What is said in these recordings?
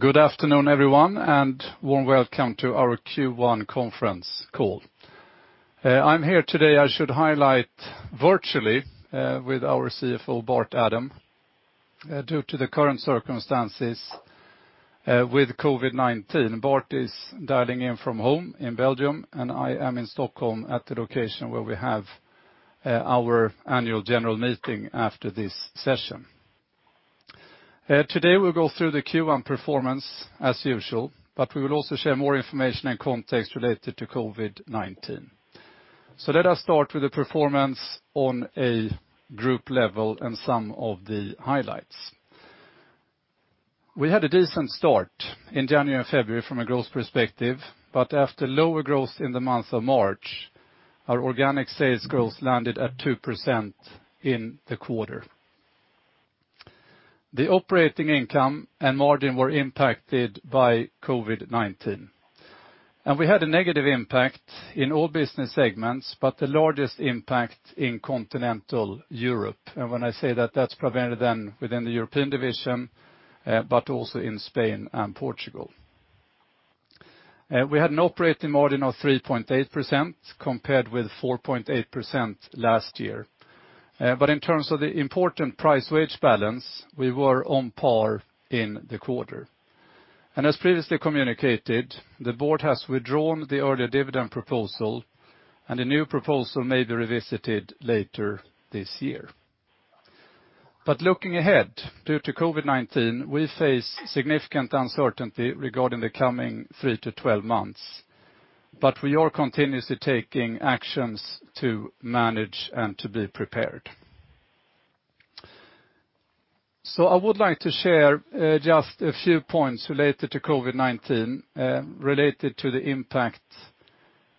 Good afternoon, everyone, and warm welcome to our Q1 conference call. I'm here today, I should highlight virtually, with our CFO Bart Adam, due to the current circumstances with COVID-19. Bart is dialing in from home in Belgium, and I am in Stockholm at the location where we have our Annual General Meeting after this session. Today we'll go through the Q1 performance as usual, but we will also share more information and context related to COVID-19. Let us start with the performance on a group level and some of the highlights. We had a decent start in January and February from a growth perspective, but after lower growth in the month of March, our organic sales growth landed at 2% in the quarter. The operating income and margin were impacted by COVID-19. We had a negative impact in all business segments, but the largest impact in Continental Europe. When I say that's prevalent within the European Division, but also in Spain and Portugal. We had an operating margin of 3.8%, compared with 4.8% last year. In terms of the important price wage balance, we were on par in the quarter. As previously communicated, the board has withdrawn the earlier dividend proposal, and a new proposal may be revisited later this year. Looking ahead, due to COVID-19, we face significant uncertainty regarding the coming three-12 months. We are continuously taking actions to manage and to be prepared. I would like to share just a few points related to COVID-19, related to the impact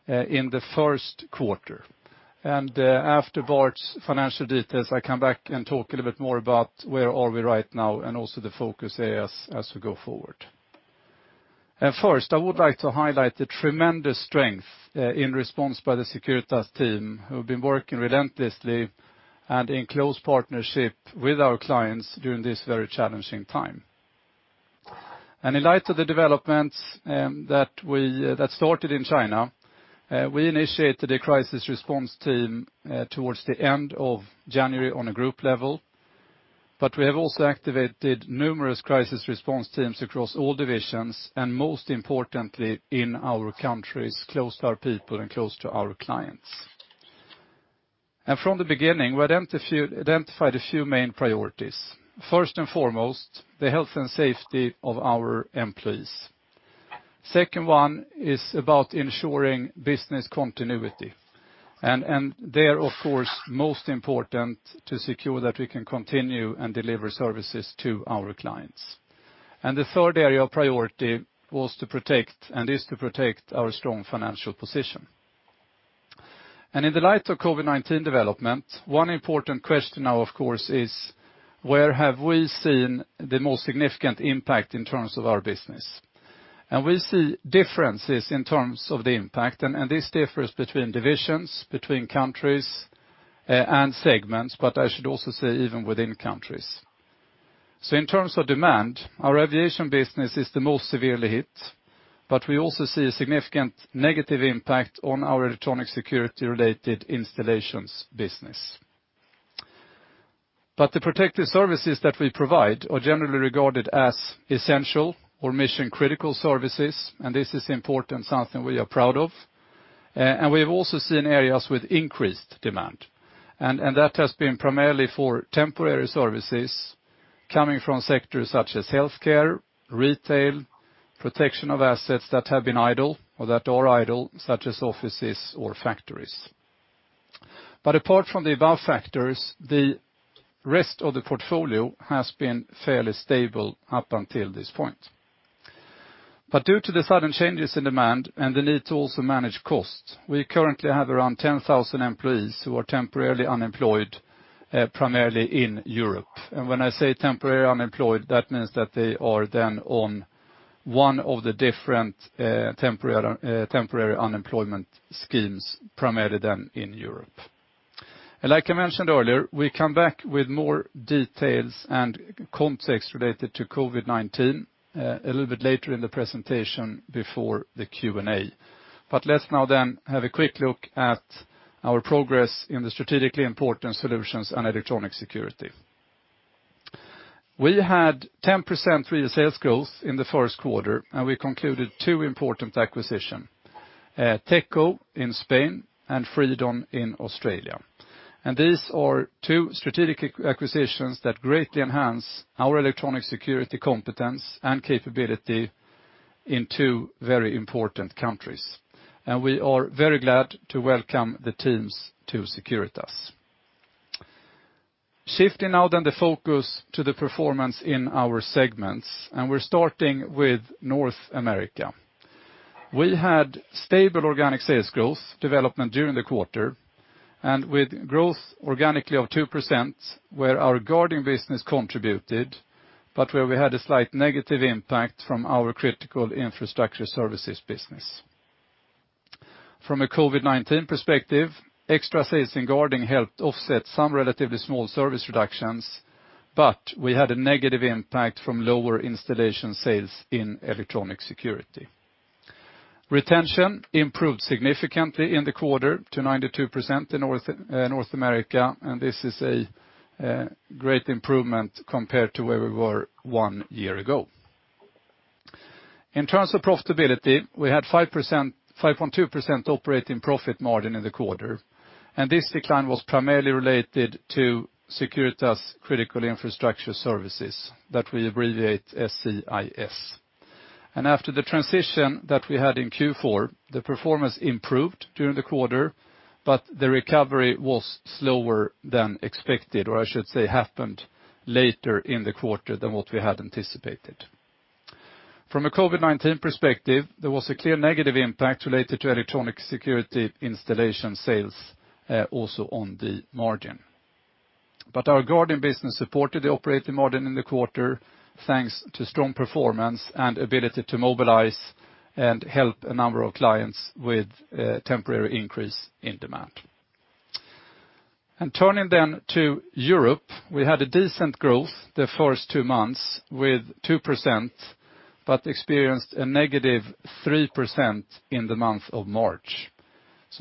in the first quarter. After Bart's financial details, I come back and talk a little bit more about where are we right now and also the focus as we go forward. First, I would like to highlight the tremendous strength in response by the Securitas team, who have been working relentlessly and in close partnership with our clients during this very challenging time. In light of the developments that started in China, we initiated a crisis response team towards the end of January on a group level, but we have also activated numerous crisis response teams across all divisions, and most importantly, in our countries, close to our people and close to our clients. From the beginning, we identified a few main priorities. First and foremost, the health and safety of our employees. Second one is about ensuring business continuity, and there, of course, most important to secure that we can continue and deliver services to our clients. The third area of priority was to protect and is to protect our strong financial position. In the light of COVID-19 development, one important question now, of course, is where have we seen the most significant impact in terms of our business? We see differences in terms of the impact, and this differs between divisions, between countries, and segments, but I should also say even within countries. In terms of demand, our aviation business is the most severely hit, but we also see a significant negative impact on our electronic security-related installations business. The protective services that we provide are generally regarded as essential or mission-critical services, and this is important, something we are proud of. We have also seen areas with increased demand. That has been primarily for temporary services coming from sectors such as healthcare, retail, protection of assets that have been idle or that are idle, such as offices or factories. Apart from the above factors, the rest of the portfolio has been fairly stable up until this point. Due to the sudden changes in demand and the need to also manage costs, we currently have around 10,000 employees who are temporarily unemployed, primarily in Europe. When I say temporarily unemployed, that means that they are then on one of the different temporary unemployment schemes, primarily then in Europe. Like I mentioned earlier, we come back with more details and context related to COVID-19 a little bit later in the presentation before the Q&A. Let's now then have a quick look at our progress in the strategically important solutions and electronic security. We had 10% real sales growth in the first quarter, and we concluded two important acquisition, Techco in Spain and Fredon in Australia. These are two strategic acquisitions that greatly enhance our electronic security competence and capability in two very important countries. We are very glad to welcome the teams to Securitas. Shifting now then the focus to the performance in our segments, and we're starting with North America. We had stable organic sales growth development during the quarter, and with growth organically of 2%, where our guarding business contributed, but where we had a slight negative impact from our Critical Infrastructure Services business. From a COVID-19 perspective, extra sales in guarding helped offset some relatively small service reductions, but we had a negative impact from lower installation sales in electronic security. Retention improved significantly in the quarter to 92% in North America, and this is a great improvement compared to where we were one year ago. In terms of profitability, we had 5.2% operating profit margin in the quarter, and this decline was primarily related to Securitas Critical Infrastructure Services that we abbreviate SCIS. After the transition that we had in Q4, the performance improved during the quarter, but the recovery was slower than expected, or I should say, happened later in the quarter than what we had anticipated. From a COVID-19 perspective, there was a clear negative impact related to electronic security installation sales, also on the margin. Our guarding business supported the operating margin in the quarter, thanks to strong performance and ability to mobilize and help a number of clients with a temporary increase in demand. Turning to Europe, we had a decent growth the first two months with 2%, but experienced a negative 3% in the month of March.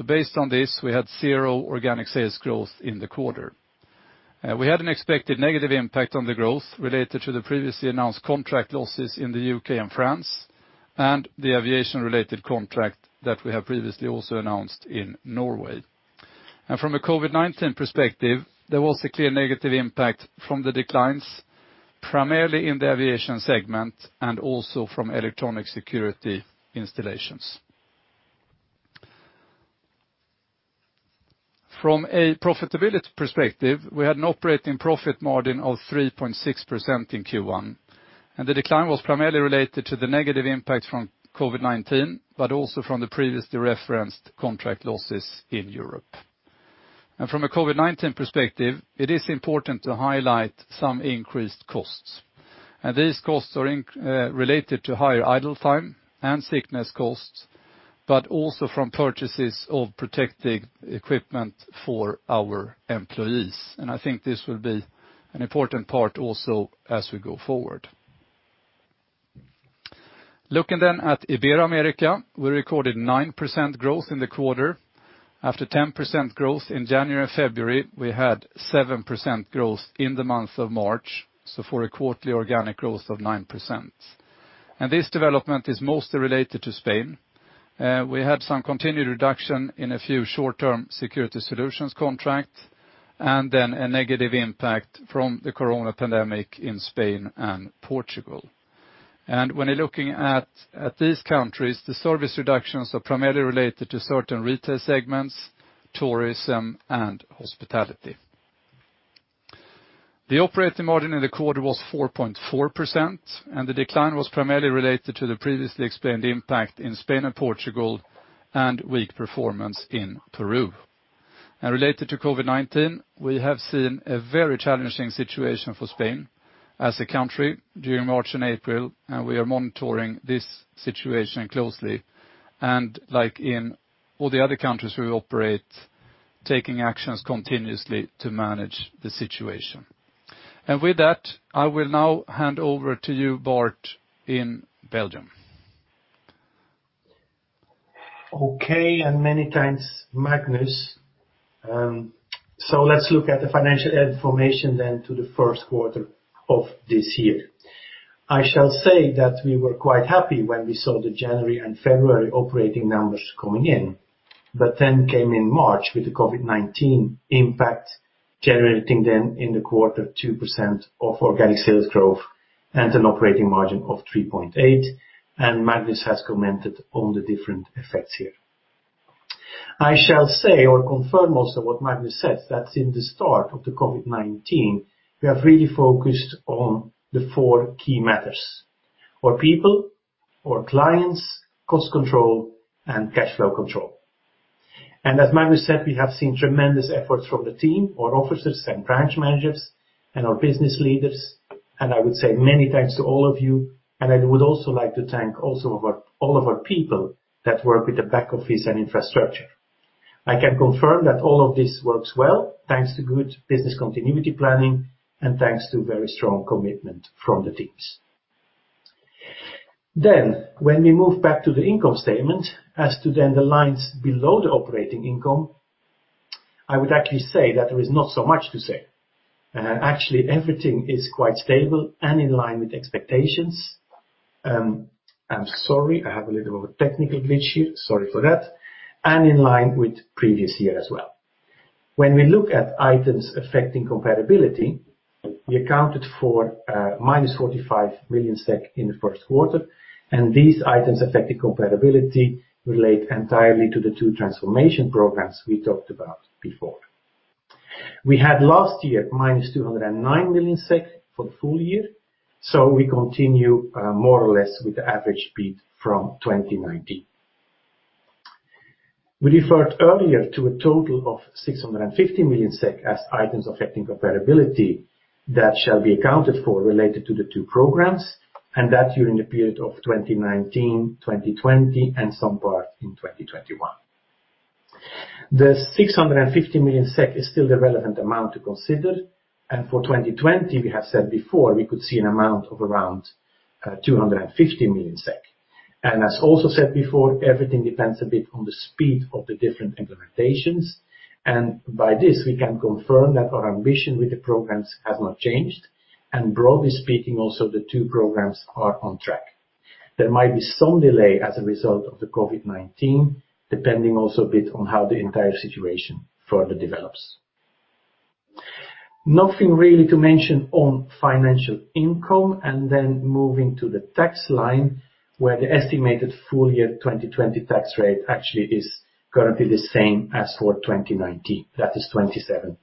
Based on this, we had zero organic sales growth in the quarter. We had an expected negative impact on the growth related to the previously announced contract losses in the U.K. and France, and the aviation-related contract that we have previously also announced in Norway. From a COVID-19 perspective, there was a clear negative impact from the declines, primarily in the aviation segment and also from electronic security installations. From a profitability perspective, we had an operating profit margin of 3.6% in Q1, and the decline was primarily related to the negative impact from COVID-19, but also from the previously referenced contract losses in Europe. From a COVID-19 perspective, it is important to highlight some increased costs, and these costs are related to higher idle time and sickness costs, but also from purchases of protective equipment for our employees. I think this will be an important part also as we go forward. Looking at Ibero-America, we recorded 9% growth in the quarter. After 10% growth in January and February, we had 7% growth in the month of March, for a quarterly organic growth of 9%. This development is mostly related to Spain. We had some continued reduction in a few short-term security solutions contracts, a negative impact from the COVID-19 pandemic in Spain and Portugal. When you're looking at these countries, the service reductions are primarily related to certain retail segments, tourism and hospitality. The operating margin in the quarter was 4.4%, the decline was primarily related to the previously explained impact in Spain and Portugal and weak performance in Peru. Related to COVID-19, we have seen a very challenging situation for Spain as a country during March and April, and we are monitoring this situation closely, and like in all the other countries we operate, taking actions continuously to manage the situation. With that, I will now hand over to you, Bart, in Belgium. Okay, many thanks, Magnus. Let's look at the financial information then to the first quarter of this year. I shall say that we were quite happy when we saw the January and February operating numbers coming in. Then came in March with the COVID-19 impact generating then in the quarter 2% of organic sales growth and an operating margin of 3.8%. Magnus has commented on the different effects here. I shall say or confirm also what Magnus said, that in the start of the COVID-19, we have really focused on the four key matters, our people, our clients, cost control, and cash flow control. As Magnus said, we have seen tremendous efforts from the team, our officers and branch managers and our business leaders, and I would say many thanks to all of you, and I would also like to thank also all of our people that work with the back office and infrastructure. I can confirm that all of this works well thanks to good business continuity planning and thanks to very strong commitment from the teams. When we move back to the income statement as to then the lines below the operating income, I would actually say that there is not so much to say. Everything is quite stable and in line with expectations. I'm sorry, I have a little of a technical glitch here. Sorry for that. In line with previous year as well When we look at items affecting comparability, we accounted for minus 45 million SEK in the first quarter. These items affecting comparability relate entirely to the two transformation programs we talked about before. We had last year minus 209 million SEK for the full year. We continue more or less with the average speed from 2019. We referred earlier to a total of 650 million SEK as items affecting comparability. That shall be accounted for related to the two programs, during the period of 2019, 2020, and some part in 2021. The 650 million SEK is still the relevant amount to consider. For 2020, we have said before, we could see an amount of around 250 million SEK. As also said before, everything depends a bit on the speed of the different implementations. By this, we can confirm that our ambition with the programs has not changed. Broadly speaking, also the two programs are on track. There might be some delay as a result of the COVID-19, depending also a bit on how the entire situation further develops. Nothing really to mention on financial income, and then moving to the tax line, where the estimated full year 2020 tax rate actually is going to be the same as for 2019, that is 27.2%.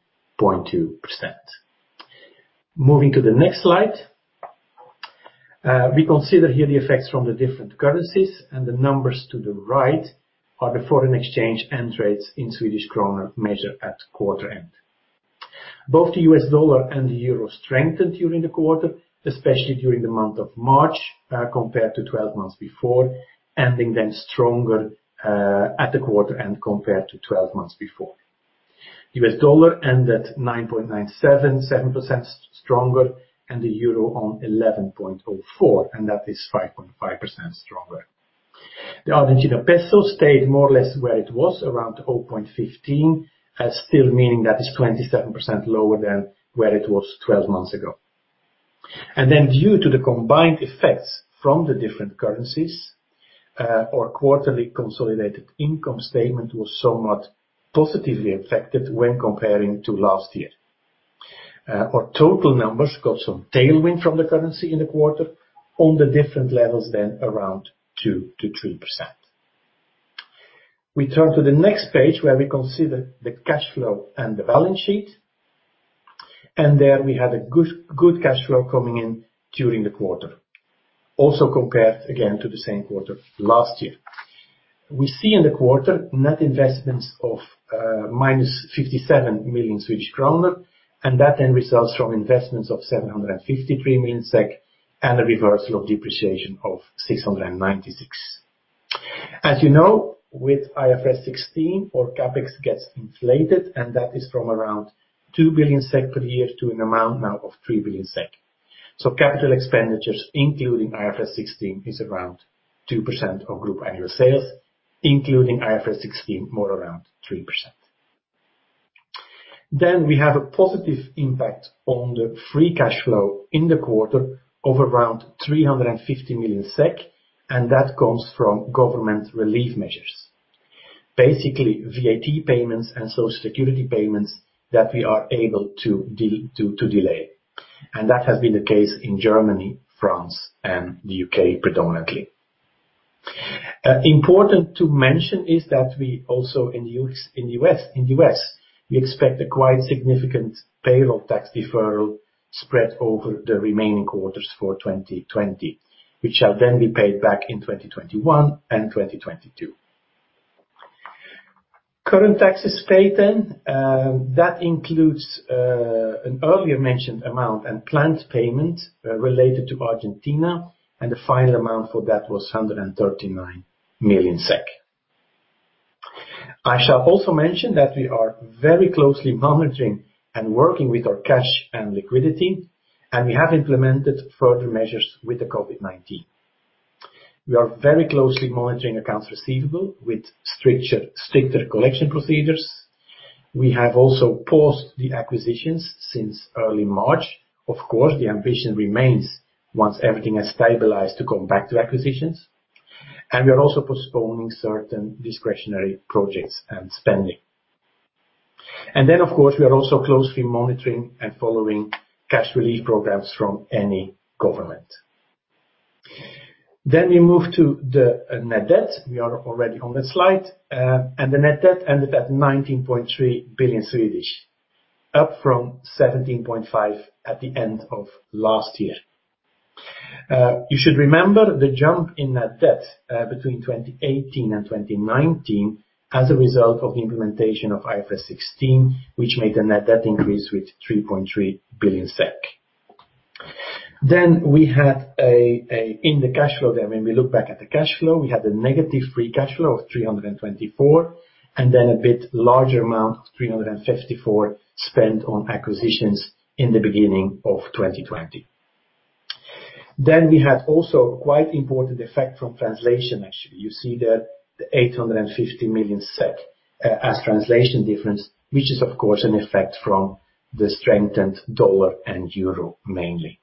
Moving to the next slide. We consider here the effects from the different currencies, and the numbers to the right are the foreign exchange and rates in Swedish krona measured at quarter end. Both the USD and the EUR strengthened during the quarter, especially during the month of March, compared to 12 months before, ending then stronger at the quarter and compared to 12 months before. U.S. dollar ended 9.977% stronger and the euro on 11.04, and that is 5.5% stronger. The Argentina peso stayed more or less where it was around 0.15, still meaning that is 27% lower than where it was 12 months ago. Due to the combined effects from the different currencies, our quarterly consolidated income statement was somewhat positively affected when comparing to last year. Our total numbers got some tailwind from the currency in the quarter on the different levels than around 2%-3%. We turn to the next page where we consider the cash flow and the balance sheet. There we had a good cash flow coming in during the quarter, also compared again to the same quarter last year. We see in the quarter net investments of minus 57 million Swedish kronor. That then results from investments of 753 million SEK and a reversal of depreciation of 696 million. As you know, with IFRS 16, our CapEx gets inflated, and that is from around 2 billion SEK per year to an amount now of 3 billion SEK. Capital expenditures, including IFRS 16, is around 2% of group annual sales, including IFRS 16, more around 3%. We have a positive impact on the free cash flow in the quarter of around 350 million SEK, and that comes from government relief measures, basically VAT payments and Social Security payments that we are able to delay. And that has been the case in Germany, France, and the U.K. predominantly. Important to mention is that we also in U.S., we expect a quite significant payroll tax deferral spread over the remaining quarters for 2020, which shall then be paid back in 2021 and 2022. Current taxes paid then, that includes an earlier mentioned amount and planned payment related to Argentina. The final amount for that was 139 million SEK. I shall also mention that we are very closely monitoring and working with our cash and liquidity. We have implemented further measures with the COVID-19. We are very closely monitoring accounts receivable with stricter collection procedures. We have also paused the acquisitions since early March. Of course, the ambition remains once everything has stabilized to come back to acquisitions. We are also postponing certain discretionary projects and spending. Then, of course, we are also closely monitoring and following cash relief programs from any government. We move to the net debt. We are already on that slide. The net debt ended at 19.3 billion, up from 17.5 billion at the end of last year. You should remember the jump in net debt between 2018 and 2019 as a result of the implementation of IFRS 16, which made the net debt increase with 3.3 billion SEK. We had in the cash flow there, when we look back at the cash flow, we had a negative free cash flow of 324 million, and a bit larger amount of 354 million spent on acquisitions in the beginning of 2020. We had also quite important effect from translation, actually. You see the 850 million SEK as translation difference, which is, of course, an effect from the strengthened USD and EUR mainly.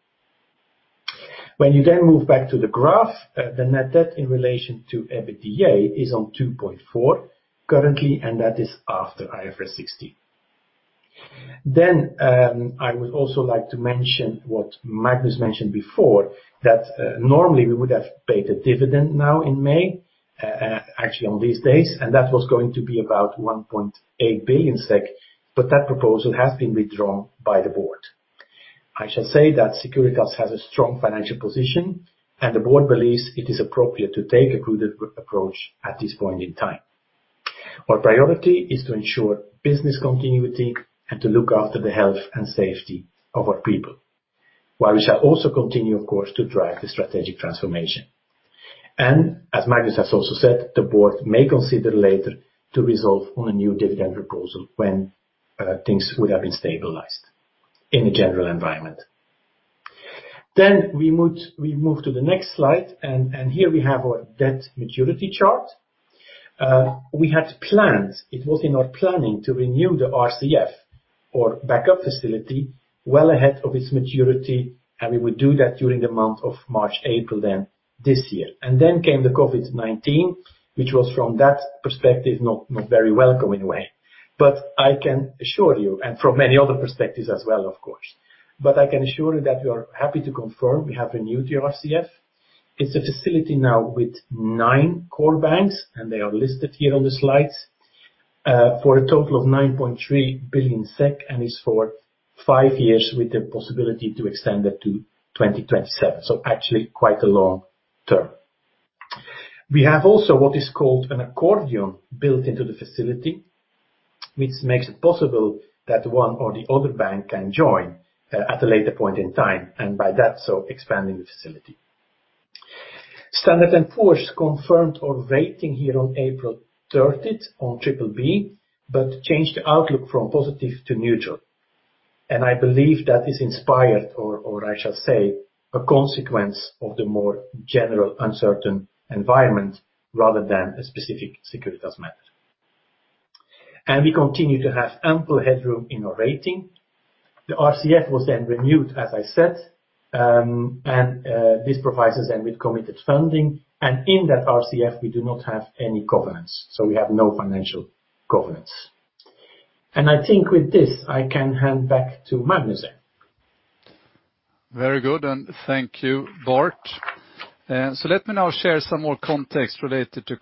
When you move back to the graph, the net debt in relation to EBITDA is on 2.4 currently, and that is after IFRS 16. I would also like to mention what Magnus mentioned before, that normally we would have paid a dividend now in May, actually on these days, and that was going to be about 1.8 billion SEK, that proposal has been withdrawn by the board. I shall say that Securitas has a strong financial position and the board believes it is appropriate to take a prudent approach at this point in time. Our priority is to ensure business continuity and to look after the health and safety of our people, while we shall also continue, of course, to drive the strategic transformation. As Magnus has also said, the board may consider later to resolve on a new dividend proposal when things would have been stabilized in the general environment. We move to the next slide, and here we have our debt maturity chart. We had plans. It was in our planning to renew the RCF or backup facility well ahead of its maturity, and we would do that during the month of March, April then this year. Then came the COVID-19, which was from that perspective, not very welcoming way. From many other perspectives as well, of course. I can assure you that we are happy to confirm we have renewed the RCF. It's a facility now with nine core banks. They are listed here on the slides, for a total of 9.3 billion SEK. It is for five years with the possibility to extend that to 2027. Actually quite a long term. We have also what is called an accordion built into the facility, which makes it possible that one or the other bank can join at a later point in time, by that, so expanding the facility. Standard & Poor's confirmed our rating here on April 30th on BBB. It changed the outlook from positive to neutral. I believe that is inspired or, I shall say, a consequence of the more general uncertain environment rather than a specific Securitas matter. We continue to have ample headroom in our rating. The RCF was then renewed, as I said, and this provides us then with committed funding, and in that RCF, we do not have any covenants. We have no financial covenants. I think with this, I can hand back to Magnus. Very good. Thank you, Bart. Let me now share some more context related to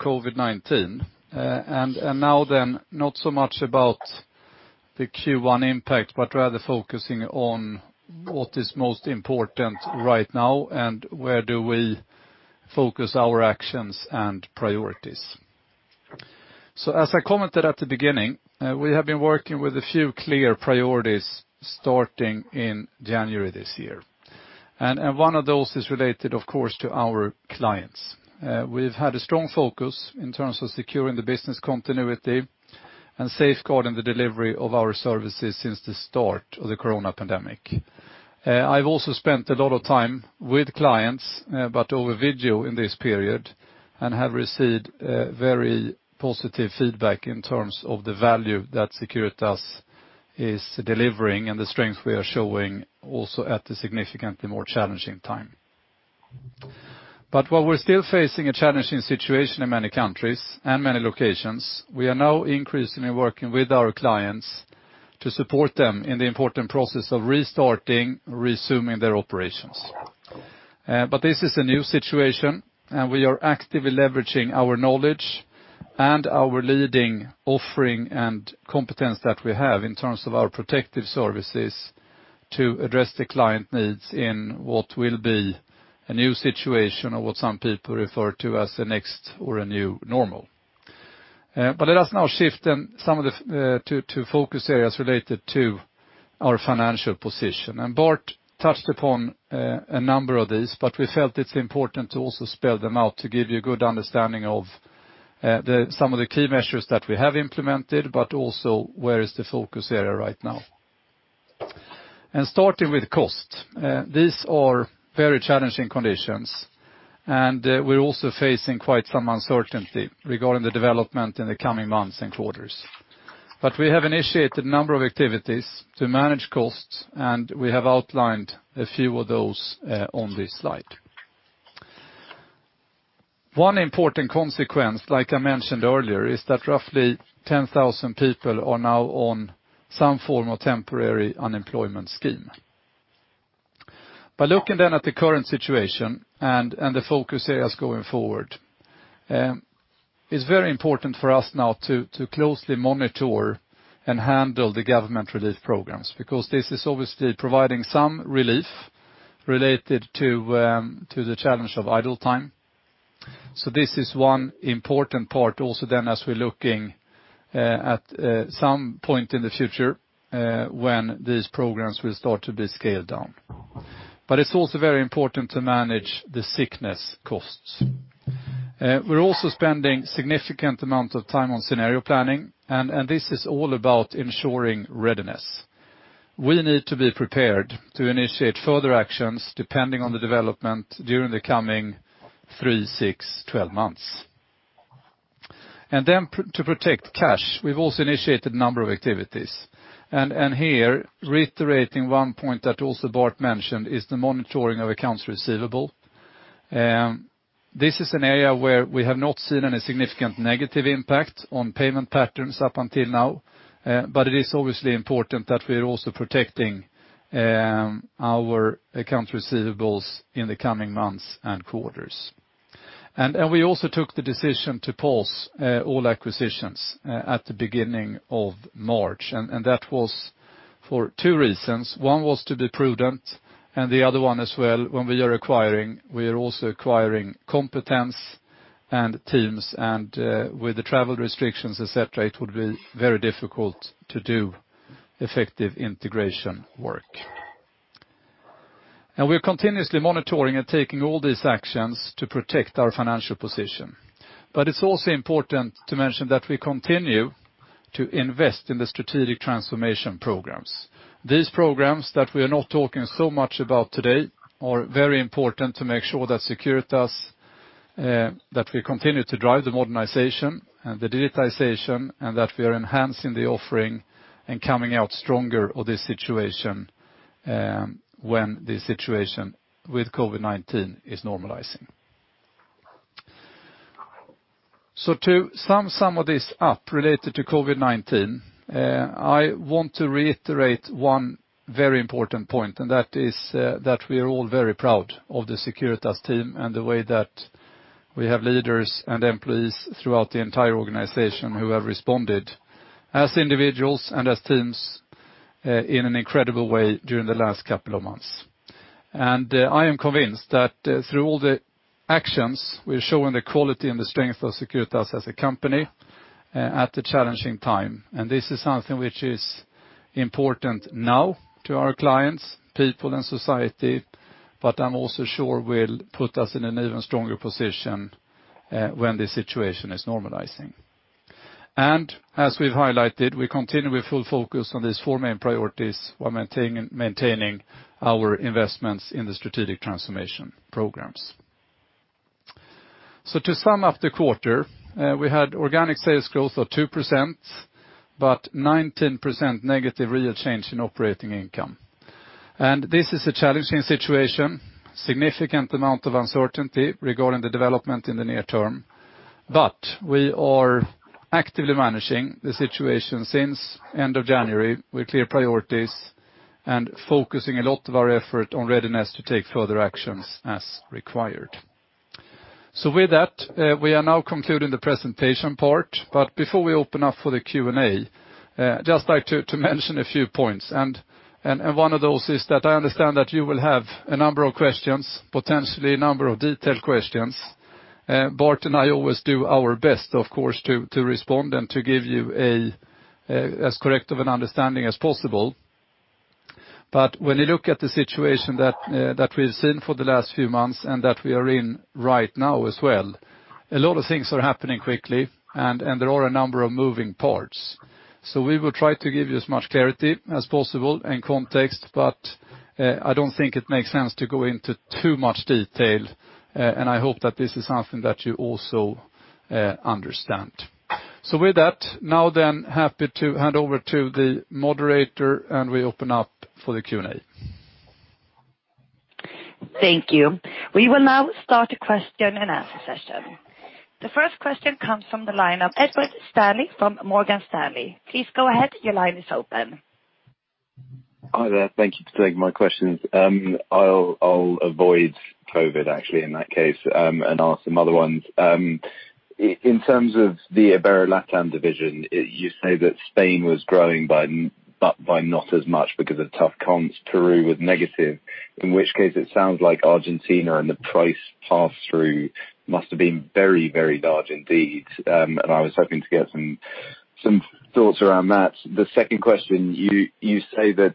COVID-19. Now then, not so much about the Q1 impact, but rather focusing on what is most important right now and where do we focus our actions and priorities. As I commented at the beginning, we have been working with a few clear priorities starting in January this year. One of those is related, of course, to our clients. We've had a strong focus in terms of securing the business continuity and safeguarding the delivery of our services since the start of the Corona pandemic. I've also spent a lot of time with clients, but over video in this period, and have received very positive feedback in terms of the value that Securitas is delivering and the strength we are showing also at a significantly more challenging time. While we're still facing a challenging situation in many countries and many locations, we are now increasingly working with our clients to support them in the important process of restarting, resuming their operations. This is a new situation, and we are actively leveraging our knowledge and our leading offering and competence that we have in terms of our protective services to address the client needs in what will be a new situation or what some people refer to as the next or a new normal. Let us now shift then to focus areas related to our financial position. Bart touched upon a number of these, but we felt it's important to also spell them out to give you a good understanding of some of the key measures that we have implemented, but also where is the focus area right now. Starting with cost. These are very challenging conditions, and we are also facing quite some uncertainty regarding the development in the coming months and quarters. We have initiated a number of activities to manage costs, and we have outlined a few of those on this slide. One important consequence, like I mentioned earlier, is that roughly 10,000 people are now on some form of temporary unemployment scheme. By looking then at the current situation and the focus areas going forward, it's very important for us now to closely monitor and handle the government relief programs because this is obviously providing some relief related to the challenge of idle time. This is one important part also then as we are looking at some point in the future, when these programs will start to be scaled down. It's also very important to manage the sickness costs. We are also spending significant amount of time on scenario planning. This is all about ensuring readiness. We need to be prepared to initiate further actions depending on the development during the coming three, six, 12 months. To protect cash, we've also initiated a number of activities. Here reiterating one point that also Bart mentioned is the monitoring of accounts receivable. This is an area where we have not seen any significant negative impact on payment patterns up until now, but it is obviously important that we are also protecting our accounts receivable in the coming months and quarters. We also took the decision to pause all acquisitions at the beginning of March, and that was for two reasons. One was to be prudent, and the other one as well, when we are acquiring, we are also acquiring competence and teams, and with the travel restrictions, et cetera, it would be very difficult to do effective integration work. We're continuously monitoring and taking all these actions to protect our financial position. It's also important to mention that we continue to invest in the strategic transformation programs. These programs that we are not talking so much about today are very important to make sure that we continue to drive the modernization and the digitization, and that we are enhancing the offering and coming out stronger of this situation, when this situation with COVID-19 is normalizing. To sum some of this up related to COVID-19, I want to reiterate one very important point, and that is that we are all very proud of the Securitas team and the way that we have leaders and employees throughout the entire organization who have responded as individuals and as teams, in an incredible way during the last couple of months. I am convinced that through all the actions, we're showing the quality and the strength of Securitas as a company at a challenging time. This is something which is important now to our clients, people and society. I'm also sure will put us in an even stronger position when the situation is normalizing. As we've highlighted, we continue with full focus on these four main priorities while maintaining our investments in the strategic transformation programs. To sum up the quarter, we had organic sales growth of 2%, but 19% negative real change in operating income. This is a challenging situation, significant amount of uncertainty regarding the development in the near term, but we are actively managing the situation since end of January with clear priorities and focusing a lot of our effort on readiness to take further actions as required. With that, we are now concluding the presentation part. Before we open up for the Q&A, just like to mention a few points, and one of those is that I understand that you will have a number of questions, potentially a number of detailed questions. Bart and I always do our best, of course, to respond and to give you as correct of an understanding as possible. When you look at the situation that we've seen for the last few months and that we are in right now as well, a lot of things are happening quickly and there are a number of moving parts. We will try to give you as much clarity as possible and context, but I don't think it makes sense to go into too much detail. I hope that this is something that you also understand. With that, now then happy to hand over to the moderator and we open up for the Q&A. Thank you. We will now start the question and answer session. The first question comes from the line of Edward Stanley from Morgan Stanley. Please go ahead. Your line is open. Hi there. Thank you for taking my questions. I'll avoid COVID actually in that case, and ask some other ones. In terms of the Ibero-LATAM division, you say that Spain was growing by not as much because of tough comps. Peru was negative, in which case it sounds like Argentina and the price pass-through must have been very, very large indeed. I was hoping to get some thoughts around that. The second question, you say that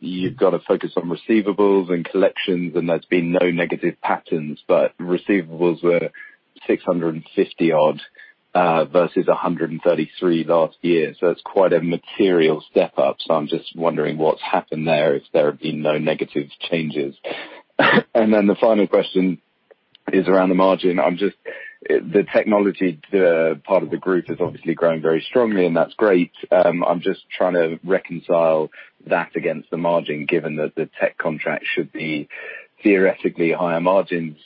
you've got to focus on receivables and collections, and there's been no negative patterns, but receivables were 650 odd versus 133 last year. It's quite a material step up. I'm just wondering what's happened there if there have been no negative changes. The final question is around the margin. The technology part of the group is obviously growing very strongly, and that's great. I'm just trying to reconcile that against the margin, given that the tech contract should be theoretically higher margins.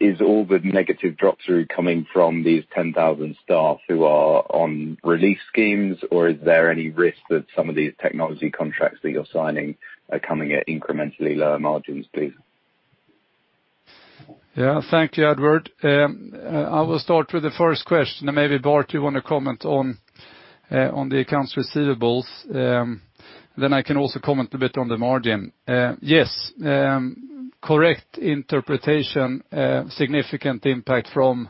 Is all the negative drop through coming from these 10,000 staff who are on relief schemes, or is there any risk that some of these technology contracts that you're signing are coming at incrementally lower margins, please? Yeah. Thank you, Edward. I will start with the first question. Maybe Bart you want to comment on the accounts receivables. I can also comment a bit on the margin. Yes. Correct interpretation, significant impact from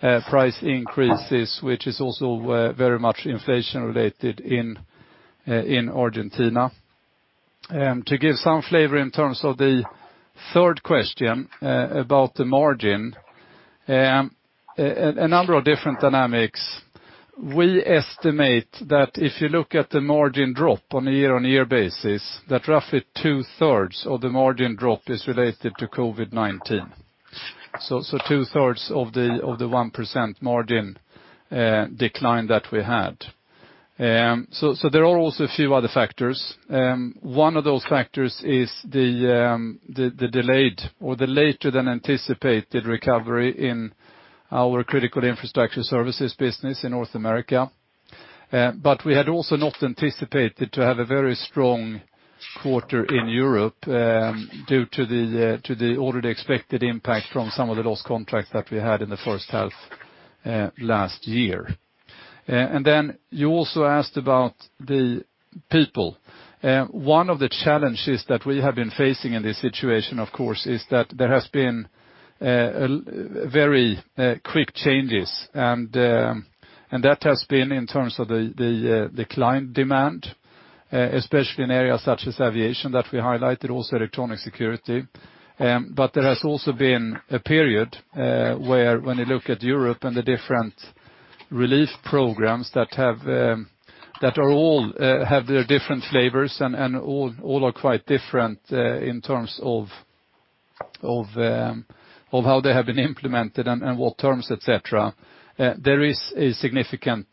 price increases, which is also very much inflation related in Argentina. To give some flavor in terms of the third question about the margin. A number of different dynamics. We estimate that if you look at the margin drop on a year-on-year basis, that roughly two thirds of the margin drop is related to COVID-19. Two thirds of the 1% margin decline that we had. There are also a few other factors. One of those factors is the delayed or the later than anticipated recovery in our critical infrastructure services business in North America. We had also not anticipated to have a very strong quarter in Europe due to the already expected impact from some of the lost contracts that we had in the first half last year. Then you also asked about the people. One of the challenges that we have been facing in this situation, of course, is that there has been very quick changes, and that has been in terms of the client demand, especially in areas such as aviation, that we highlighted, also electronic security. There has also been a period where when you look at Europe and the different relief programs that all have their different flavors and all are quite different in terms of how they have been implemented and what terms, et cetera. There is a significant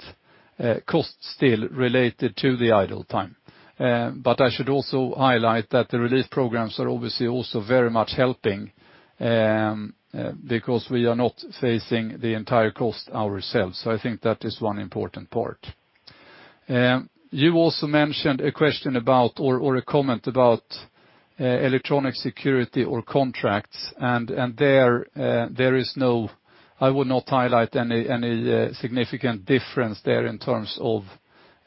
cost still related to the idle time. I should also highlight that the relief programs are obviously also very much helping because we are not facing the entire cost ourselves. I think that is one important part. You also mentioned a question about or a comment about electronic security or contracts, and I would not highlight any significant difference there in terms of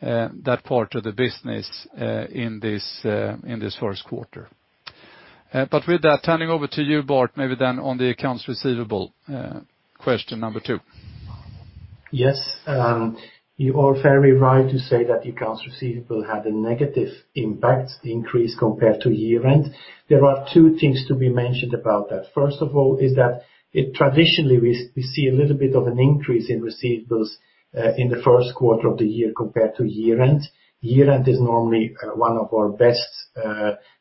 that part of the business in this first quarter. With that, turning over to you, Bart, maybe then on the accounts receivable, question number two. Yes. You are very right to say that accounts receivable had a negative impact increase compared to year-end. There are two things to be mentioned about that. First of all is that traditionally we see a little bit of an increase in receivables in the first quarter of the year compared to year-end. Year-end is normally one of our best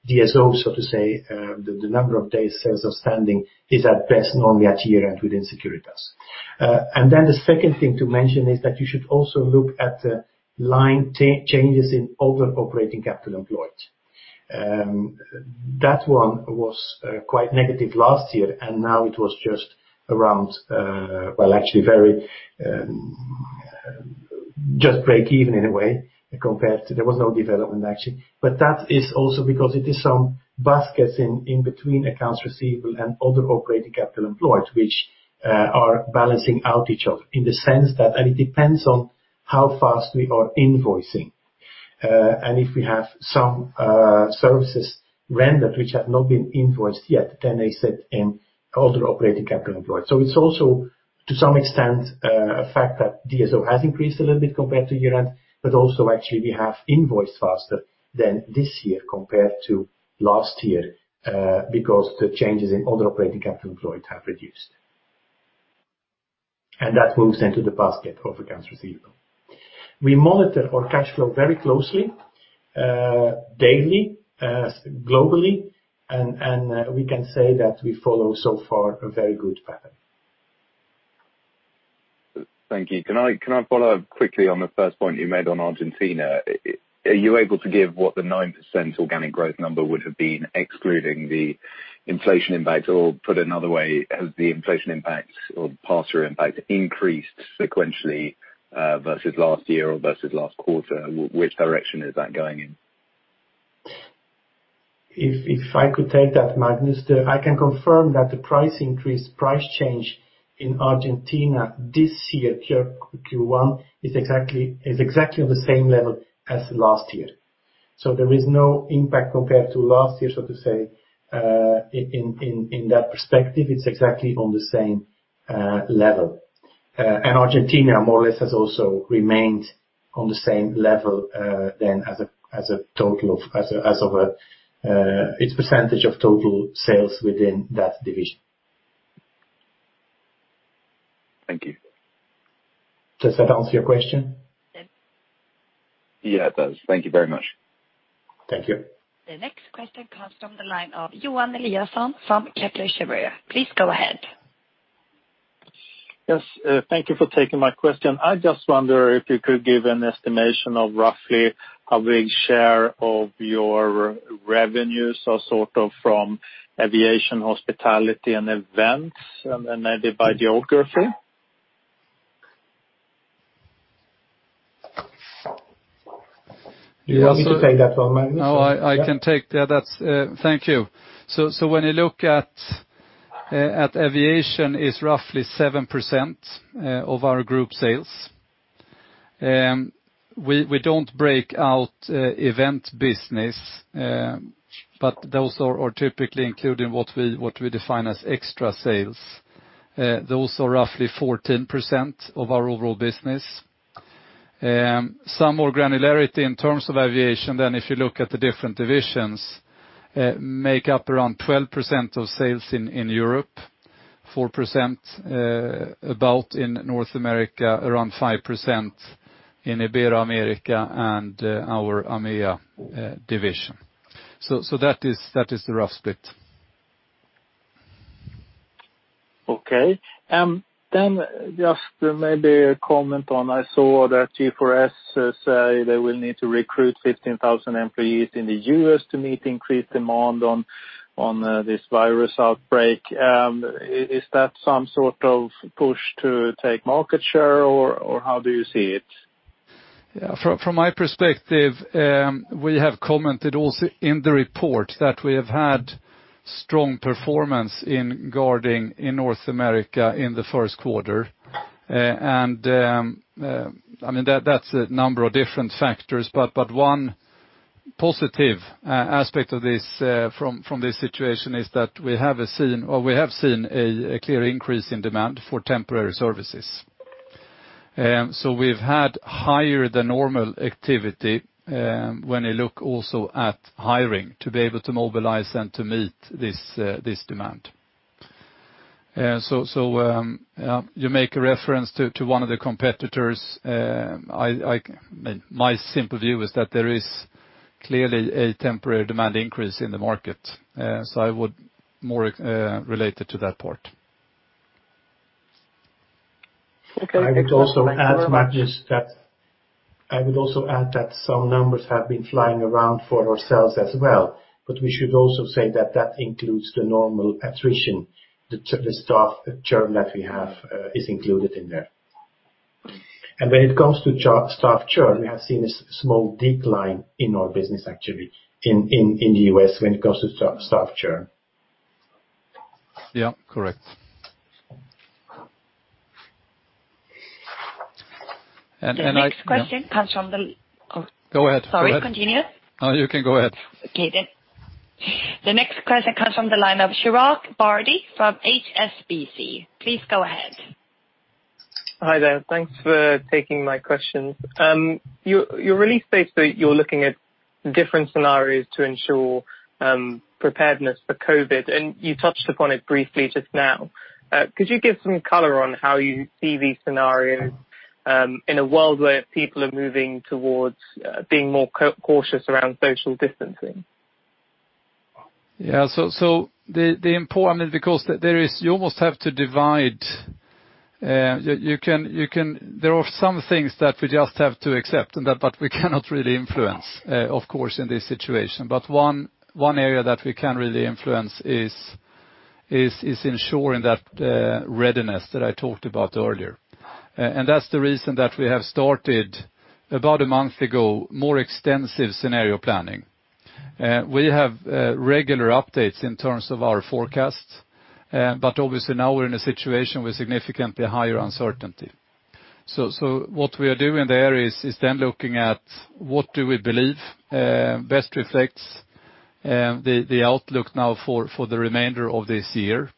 DSOs, so to say. The number of days sales are standing is at best, normally at year-end within Securitas. The second thing to mention is that you should also look at the line changes in other operating capital employed. That one was quite negative last year. Now it was just around well, actually very just break even in a way compared to there was no development actually. That is also because it is some baskets in between accounts receivable and other operating capital employed, which are balancing out each other in the sense that it depends on how fast we are invoicing. If we have some services rendered which have not been invoiced yet, then they sit in other operating capital employed. It's also to some extent a fact that DSO has increased a little bit compared to year-end, but also actually we have invoiced faster than this year compared to last year because the changes in other operating capital employed have reduced. That moves into the basket of accounts receivable. We monitor our cash flow very closely daily, globally, and we can say that we follow so far a very good pattern. Thank you. Can I follow up quickly on the first point you made on Argentina? Are you able to give what the 9% organic growth number would have been excluding the inflation impact? Put another way, has the inflation impact or pass-through impact increased sequentially versus last year or versus last quarter? Which direction is that going in? If I could take that, Magnus, I can confirm that the price increase, price change in Argentina this year, Q1, is exactly on the same level as last year. There is no impact compared to last year, so to say, in that perspective. It's exactly on the same level. Argentina more or less has also remained on the same level then as its percentage of total sales within that division. Thank you. Does that answer your question? Yeah, it does. Thank you very much. Thank you. The next question comes from the line of Johan Eliason from Kepler Cheuvreux. Please go ahead. Yes, thank you for taking my question. I just wonder if you could give an estimation of roughly how big share of your revenues are sort of from aviation, hospitality, and events, and maybe by geography? You want me to take that one, Magnus? No, I can take that. Thank you. When you look at aviation is roughly 7% of our group sales. We don't break out event business, but those are typically included in what we define as extra sales. Those are roughly 14% of our overall business. Some more granularity in terms of aviation than if you look at the different divisions, make up around 12% of sales in Europe, 4% about in North America, around 5% in Ibero-America and our EMEA division. That is the rough split. Okay. Just maybe a comment on I saw that G4S say they will need to recruit 15,000 employees in the U.S. to meet increased demand on this virus outbreak. Is that some sort of push to take market share, or how do you see it? From my perspective, we have commented also in the report that we have had strong performance in guarding in North America in the first quarter. That's a number of different factors, but one positive aspect from this situation is that we have seen a clear increase in demand for temporary services. We've had higher than normal activity when you look also at hiring to be able to mobilize and to meet this demand. You make a reference to one of the competitors. My simple view is that there is clearly a temporary demand increase in the market. I would more relate it to that part. Okay. I would also add, Magnus, that some numbers have been flying around for ourselves as well. We should also say that that includes the normal attrition. The staff churn that we have is included in there. When it comes to staff churn, we have seen a small decline in our business actually in the U.S. when it comes to staff churn. Yeah. Correct. The next question comes from the. Go ahead. Sorry. Continue. No, you can go ahead. Okay. The next question comes from the line of Chirag Vadhia from HSBC. Please go ahead. Hi there. Thanks for taking my questions. Your release states that you're looking at different scenarios to ensure preparedness for COVID, and you touched upon it briefly just now. Could you give some color on how you see these scenarios in a world where people are moving towards being more cautious around social distancing? You almost have to divide. There are some things that we just have to accept, but we cannot really influence, of course, in this situation. One area that we can really influence is ensuring that readiness that I talked about earlier. That's the reason that we have started, about a month ago, more extensive scenario planning. We have regular updates in terms of our forecasts, but obviously now we're in a situation with significantly higher uncertainty. What we are doing there is then looking at what do we believe best reflects the outlook now for the remainder of this year.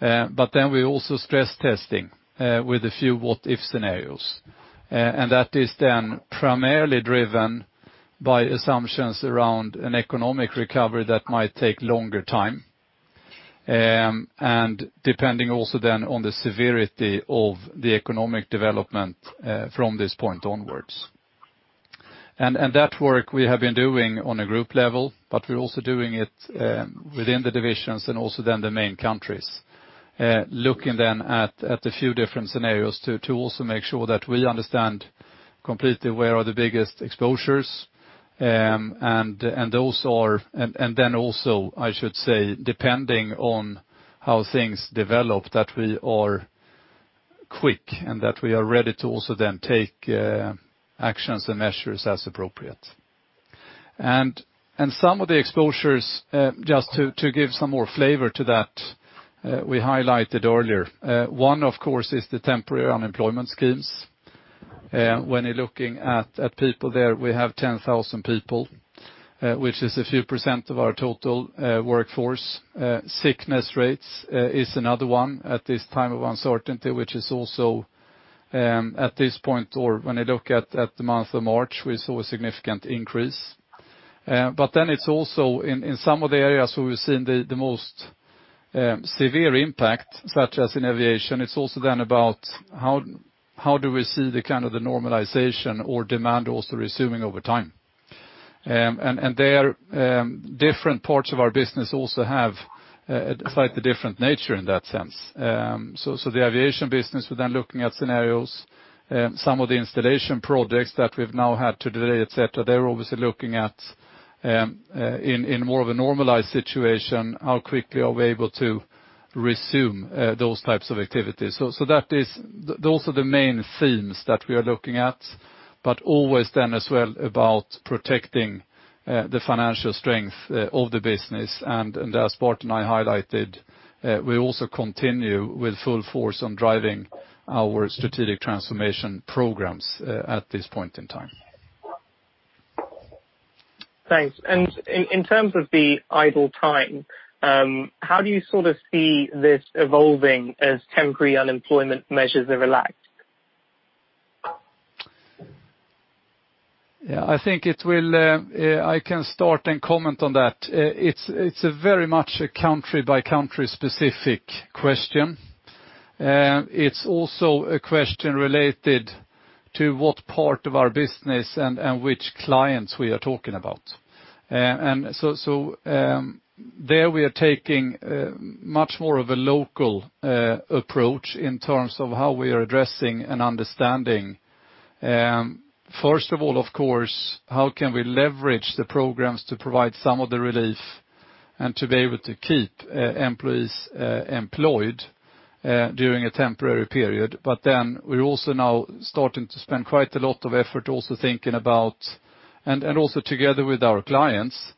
We're also stress testing with a few what if scenarios. That is then primarily driven by assumptions around an economic recovery that might take longer time, and depending also then on the severity of the economic development from this point onwards. That work we have been doing on a group level, but we're also doing it within the divisions and also then the main countries. Looking at a few different scenarios to also make sure that we understand completely where are the biggest exposures, and then also, I should say, depending on how things develop, that we are quick and that we are ready to also then take actions and measures as appropriate. Some of the exposures, just to give some more flavor to that we highlighted earlier. One, of course, is the temporary unemployment schemes. When you're looking at people there, we have 10,000 people, which is a few % of our total workforce. Sickness rates is another one at this time of uncertainty, which is also at this point or when you look at the month of March, we saw a significant increase. It's also in some of the areas where we've seen the most severe impact, such as in aviation. It's also then about how do we see the kind of the normalization or demand also resuming over time. There, different parts of our business also have a slightly different nature in that sense. The aviation business, we're then looking at scenarios. Some of the installation projects that we've now had to delay, et cetera, they're obviously looking at in more of a normalized situation, how quickly are we able to resume those types of activities. Those are the main themes that we are looking at, but always then as well about protecting the financial strength of the business. As Bart and I highlighted, we also continue with full force on driving our strategic transformation programs at this point in time. Thanks. In terms of the idle time, how do you sort of see this evolving as temporary unemployment measures are relaxed? Yeah. I can start and comment on that. It's a very much a country by country specific question. It's also a question related to what part of our business and which clients we are talking about. There we are taking much more of a local approach in terms of how we are addressing and understanding. First of all, of course, how can we leverage the programs to provide some of the relief and to be able to keep employees employed during a temporary period. We're also now starting to spend quite a lot of effort also thinking about, and also together with our clients,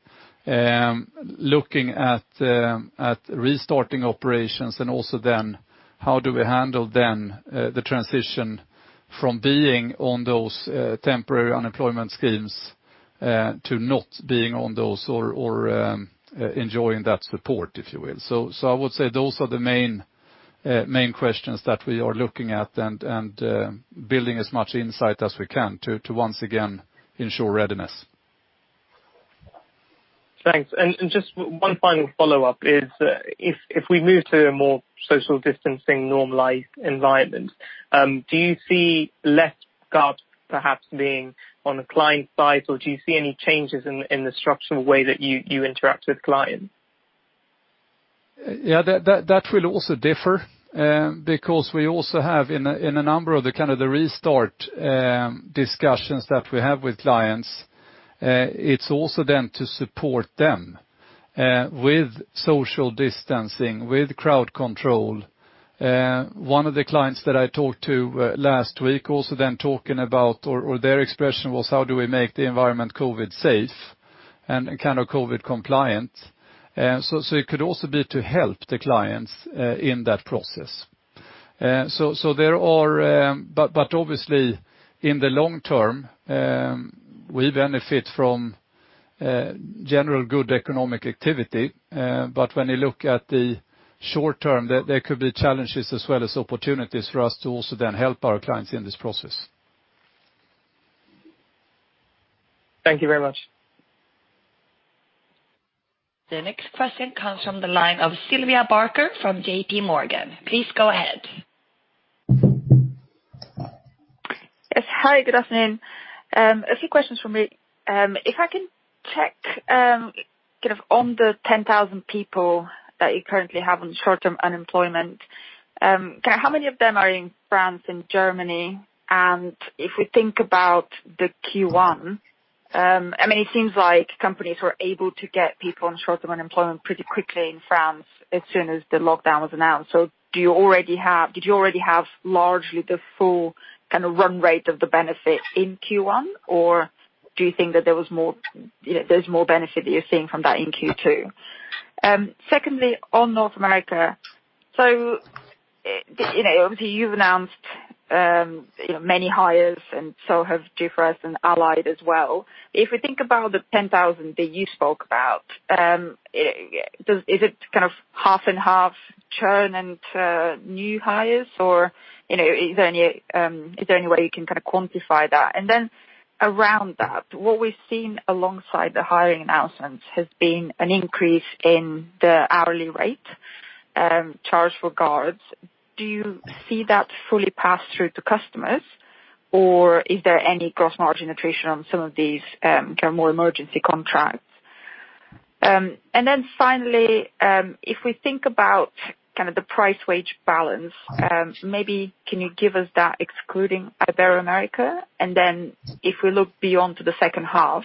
looking at restarting operations and also then how do we handle then the transition from being on those temporary unemployment schemes to not being on those or enjoying that support, if you will. I would say those are the main questions that we are looking at and building as much insight as we can to once again ensure readiness. Thanks. Just one final follow-up is if we move to a more social distancing normalized environment, do you see less guards perhaps being on the client side? Do you see any changes in the structural way that you interact with clients? Yeah, that will also differ because we also have in a number of the kind of the restart discussions that we have with clients, it's also then to support them with social distancing, with crowd control. One of the clients that I talked to last week also then talking about or their expression was how do we make the environment COVID safe and kind of COVID compliant? It could also be to help the clients in that process. Obviously in the long term, we benefit from general good economic activity. When you look at the short term, there could be challenges as well as opportunities for us to also then help our clients in this process. Thank you very much. The next question comes from the line of Sylvia Barker from JP Morgan. Please go ahead. Yes. Hi, good afternoon. A few questions from me. If I can check kind of on the 10,000 people that you currently have on short-term unemployment, how many of them are in France and Germany? If we think about the Q1, it seems like companies were able to get people on short-term unemployment pretty quickly in France as soon as the lockdown was announced. Did you already have largely the full kind of run rate of the benefit in Q1? Do you think that there's more benefit that you're seeing from that in Q2? Secondly, on North America. Obviously you've announced many hires and so have G4S and Allied as well. If we think about the 10,000 that you spoke about, is it kind of half and half churn and new hires? Is there any way you can kind of quantify that? Around that, what we've seen alongside the hiring announcements has been an increase in the hourly rate charged for guards. Do you see that fully passed through to customers? Is there any gross margin attrition on some of these kind of more emergency contracts? Finally, if we think about kind of the price wage balance maybe can you give us that excluding Ibero-America? If we look beyond to the second half,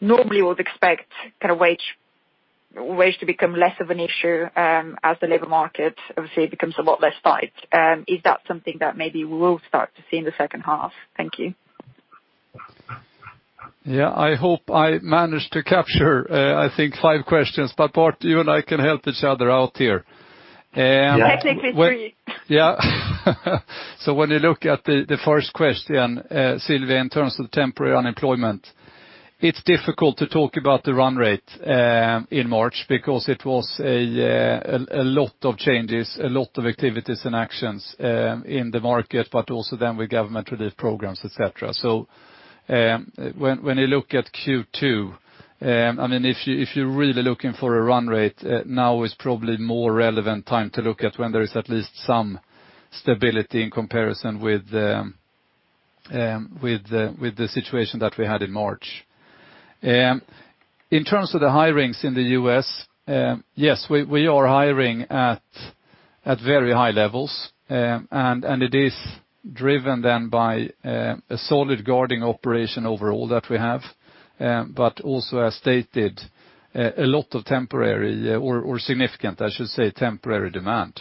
normally we would expect kind of wage to become less of an issue as the labor market obviously becomes a lot less tight. Is that something that maybe we will start to see in the second half? Thank you. Yeah, I hope I managed to capture I think five questions, but Bart you and I can help each other out here. Technically three. Yeah. When you look at the first question, Sylvia, in terms of temporary unemployment, it's difficult to talk about the run rate in March because it was a lot of changes, a lot of activities and actions, in the market, but also then with government relief programs, et cetera. When you look at Q2, if you're really looking for a run rate, now is probably more relevant time to look at when there is at least some stability in comparison with the situation that we had in March. In terms of the hirings in the U.S., yes, we are hiring at very high levels. It is driven then by a solid guarding operation overall that we have. Also as stated, a lot of temporary or significant, I should say, temporary demand.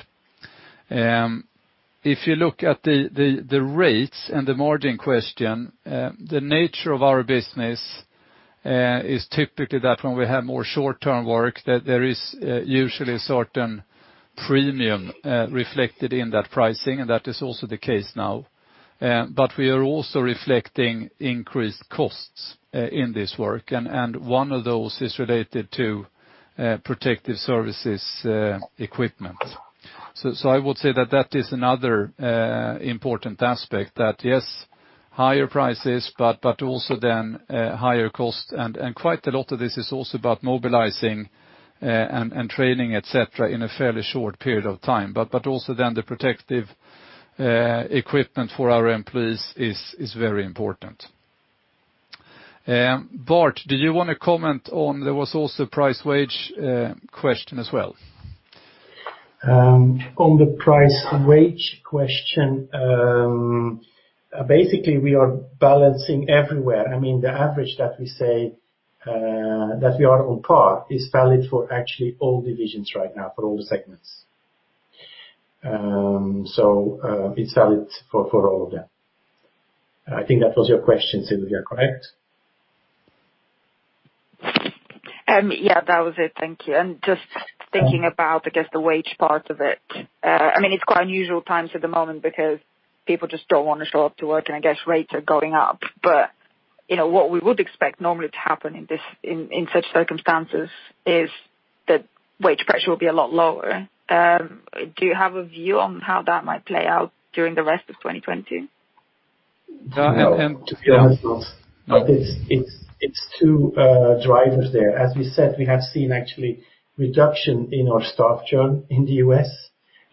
If you look at the rates and the margin question, the nature of our business is typically that when we have more short-term work, that there is usually a certain premium reflected in that pricing, and that is also the case now. We are also reflecting increased costs in this work, and one of those is related to protective services equipment. I would say that that is another important aspect that, yes, higher prices, but also then higher cost. Quite a lot of this is also about mobilizing and training, et cetera, in a fairly short period of time. Also then the protective equipment for our employees is very important. Bart, do you want to comment on. There was also price wage question as well. On the price wage question, basically we are balancing everywhere. The average that we say that we are on par is valid for actually all divisions right now, for all segments. It's valid for all of them. I think that was your question, Sylvia, correct? Yeah, that was it. Thank you. I'm just thinking about, I guess, the wage part of it. It's quite unusual times at the moment because people just don't want to show up to work, and I guess rates are going up. What we would expect normally to happen in such circumstances is that wage pressure will be a lot lower. Do you have a view on how that might play out during the rest of 2020? No. No. It's two drivers there. As we said, we have seen actually reduction in our staff churn in the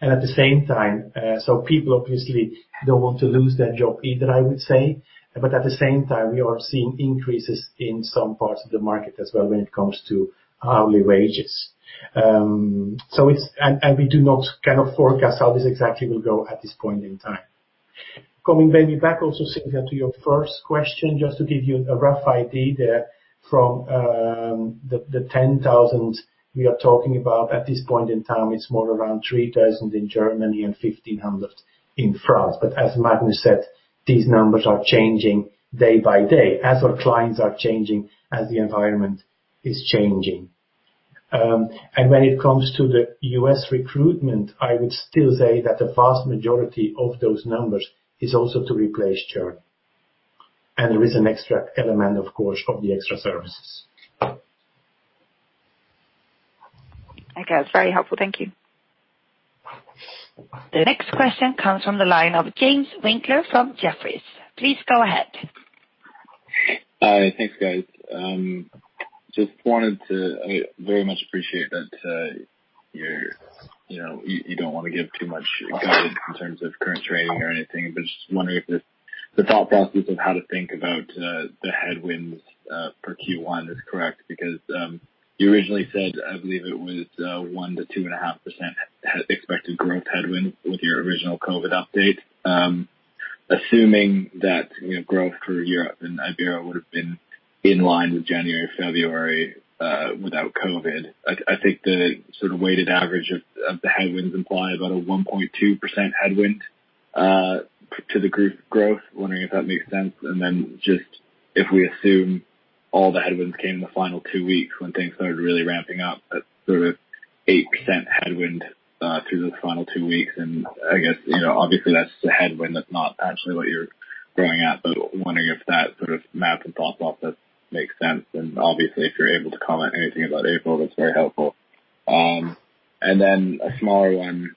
U.S., so people obviously don't want to lose their job either, I would say. At the same time, we are seeing increases in some parts of the market as well when it comes to hourly wages. We do not forecast how this exactly will go at this point in time. Coming maybe back also, Sylvia, to your first question, just to give you a rough idea there from the 10,000 we are talking about at this point in time, it's more around 3,000 in Germany and 1,500 in France. As Magnus said, these numbers are changing day by day as our clients are changing, as the environment is changing. When it comes to the U.S. recruitment, I would still say that the vast majority of those numbers is also to replace churn. There is an extra element, of course, of the extra services. Okay. That's very helpful. Thank you. The next question comes from the line of James Winckler from Jefferies. Please go ahead. Thanks, guys. I very much appreciate that you don't want to give too much guidance in terms of current trading or anything, but just wondering if the thought process of how to think about the headwinds for Q1 is correct because you originally said, I believe it was 1%-2.5% expected growth headwind with your original COVID-19 update. Assuming that growth for Europe and Iberia would have been in line with January, February without COVID-19, I think the sort of weighted average of the headwinds imply about a 1.2% headwind to the group growth. Wondering if that makes sense. Then just if we assume all the headwinds came in the final two weeks when things started really ramping up, that sort of 8% headwind through those final two weeks. I guess, obviously that's the headwind. That's not actually what you're growing at, wondering if that sort of math and thought process makes sense. Obviously if you're able to comment anything about April, that's very helpful. A smaller one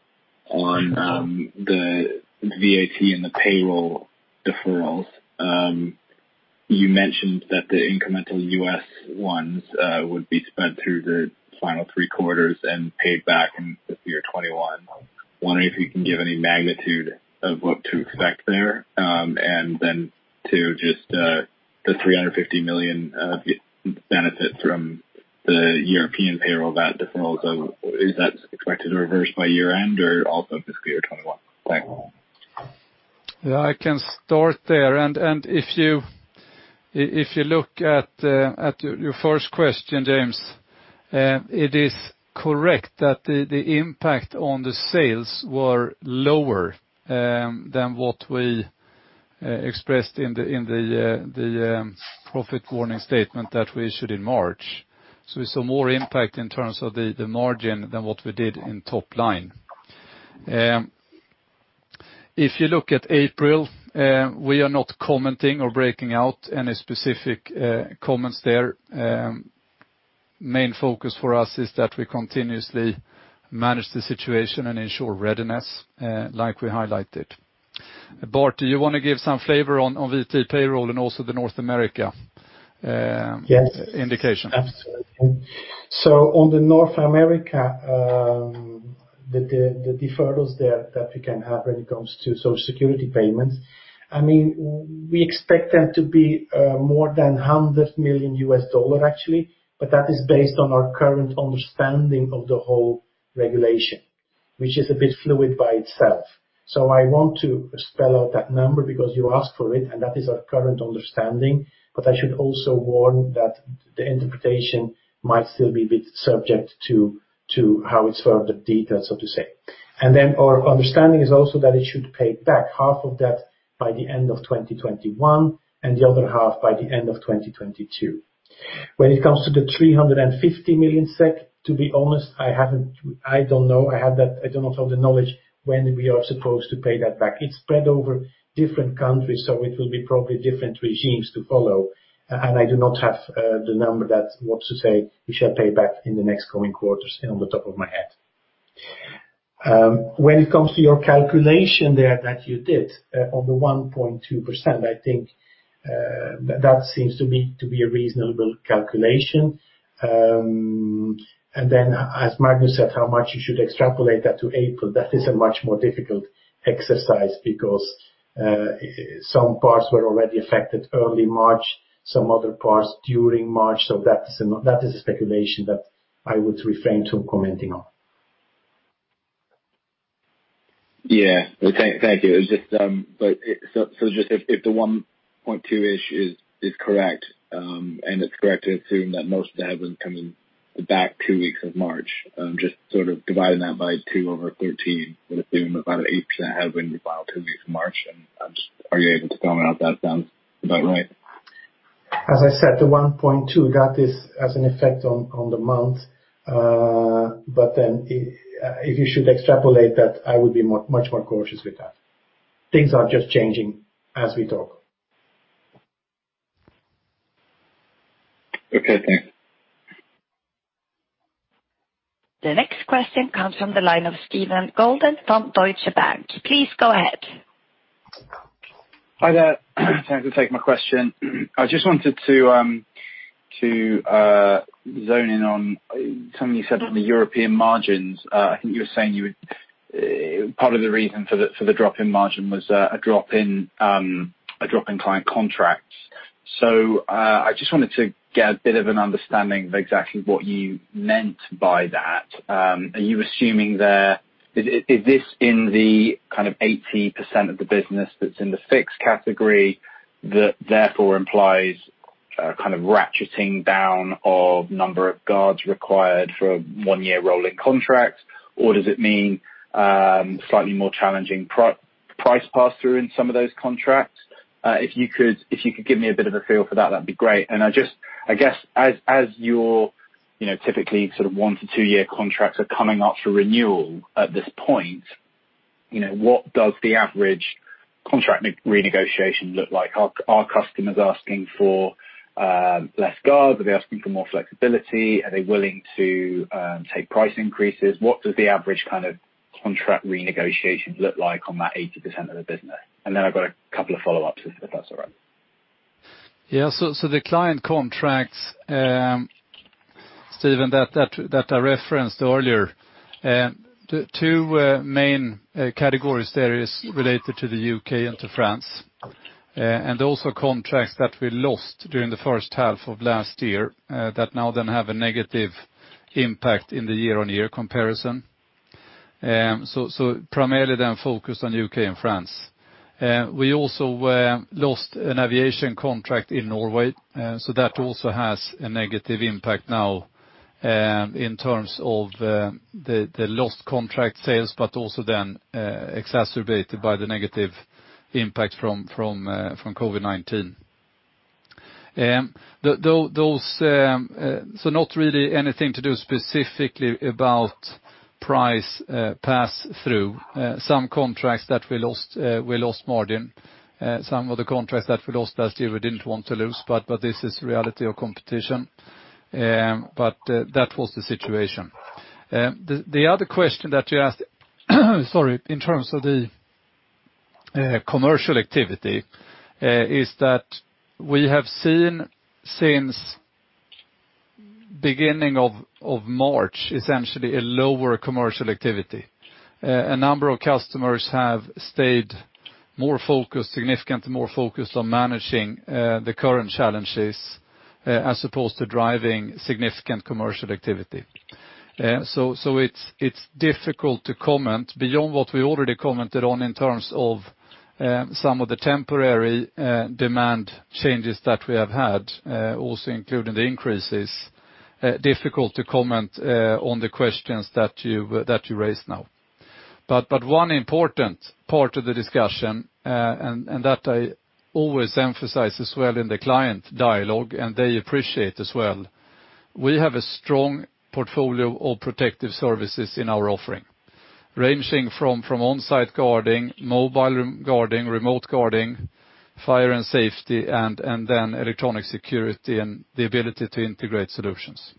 on the VAT and the payroll deferrals. You mentioned that the incremental U.S. ones would be spread through the final three quarters and paid back in the year 2021. Wondering if you can give any magnitude of what to expect there. To just the 350 million benefit from the European payroll, that deferral, is that expected to reverse by year-end or also fiscal year 2021? Thanks. I can start there. If you look at your first question, James, it is correct that the impact on the sales were lower than what we expressed in the profit warning statement that we issued in March. We saw more impact in terms of the margin than what we did in top line. If you look at April, we are not commenting or breaking out any specific comments there. Main focus for us is that we continuously manage the situation and ensure readiness, like we highlighted. Bart, do you want to give some flavor on VAT payroll and also the North America indication? Yes. Absolutely. On the North America, the deferrals there that we can have when it comes to Social Security payments, we expect them to be more than SEK 100 million actually, but that is based on our current understanding of the whole regulation, which is a bit fluid by itself. I want to spell out that number because you asked for it, and that is our current understanding. I should also warn that the interpretation might still be a bit subject to how it's further detailed, so to say. Our understanding is also that it should pay back half of that by the end of 2021, and the other half by the end of 2022. When it comes to the 350 million SEK, to be honest, I don't know. I do not have the knowledge when we are supposed to pay that back. It's spread over different countries, so it will be probably different regimes to follow, and I do not have the number that's what to say we shall pay back in the next coming quarters on the top of my head. When it comes to your calculation there that you did on the 1.2%, I think that seems to be a reasonable calculation. Then as Magnus said, how much you should extrapolate that to April, that is a much more difficult exercise because some parts were already affected early March, some other parts during March. That is a speculation that I would refrain to commenting on. Yeah. Thank you. Just if the 1.2 ish is correct, and it is correct to assume that most of the headwinds come in the back two weeks of March, just sort of dividing that by two over 13 and assuming about 8% headwind in about two weeks of March, are you able to comment on if that sounds about right? As I said, the 1.2 got this as an effect on the month. If you should extrapolate that, I would be much more cautious with that. Things are just changing as we talk. Okay, thanks. The next question comes from the line of Steven Goulden from Deutsche Bank. Please go ahead. Hi there. Thanks for taking my question. I just wanted to zone in on something you said on the European margins. I think you were saying part of the reason for the drop in margin was a drop in client contracts. I just wanted to get a bit of an understanding of exactly what you meant by that. Is this in the kind of 80% of the business that's in the fixed category that therefore implies a kind of ratcheting down of number of guards required for a one-year rolling contract? Does it mean slightly more challenging price pass-through in some of those contracts? If you could give me a bit of a feel for that'd be great. I guess, as your typically sort of one to two-year contracts are coming up for renewal at this point, what does the average contract renegotiation look like? Are customers asking for less guards? Are they asking for more flexibility? Are they willing to take price increases? What does the average kind of contract renegotiation look like on that 80% of the business? Then I've got a couple of follow-ups, if that's all right. Yeah. The client contracts, Steven, that I referenced earlier, two main categories there is related to the U.K. and to France. Also contracts that we lost during the first half of last year that now then have a negative impact in the year-on-year comparison. Primarily then focused on U.K. and France. We also lost an aviation contract in Norway, so that also has a negative impact now in terms of the lost contract sales, but also then exacerbated by the negative impact from COVID-19. Not really anything to do specifically about price pass-through. Some contracts that we lost margin. Some of the contracts that we lost last year, we didn't want to lose, but this is reality of competition. That was the situation. The other question that you asked sorry, in terms of the commercial activity is that we have seen since beginning of March, essentially a lower commercial activity. A number of customers have stayed more focused, significantly more focused on managing the current challenges as opposed to driving significant commercial activity. It's difficult to comment beyond what we already commented on in terms of some of the temporary demand changes that we have had, also including the increases. Difficult to comment on the questions that you raised now. One important part of the discussion, and that I always emphasize as well in the client dialogue, and they appreciate as well, we have a strong portfolio of protective services in our offering, ranging from on-site guarding, mobile guarding, remote guarding, fire and safety, and then electronic security and the ability to integrate solutions.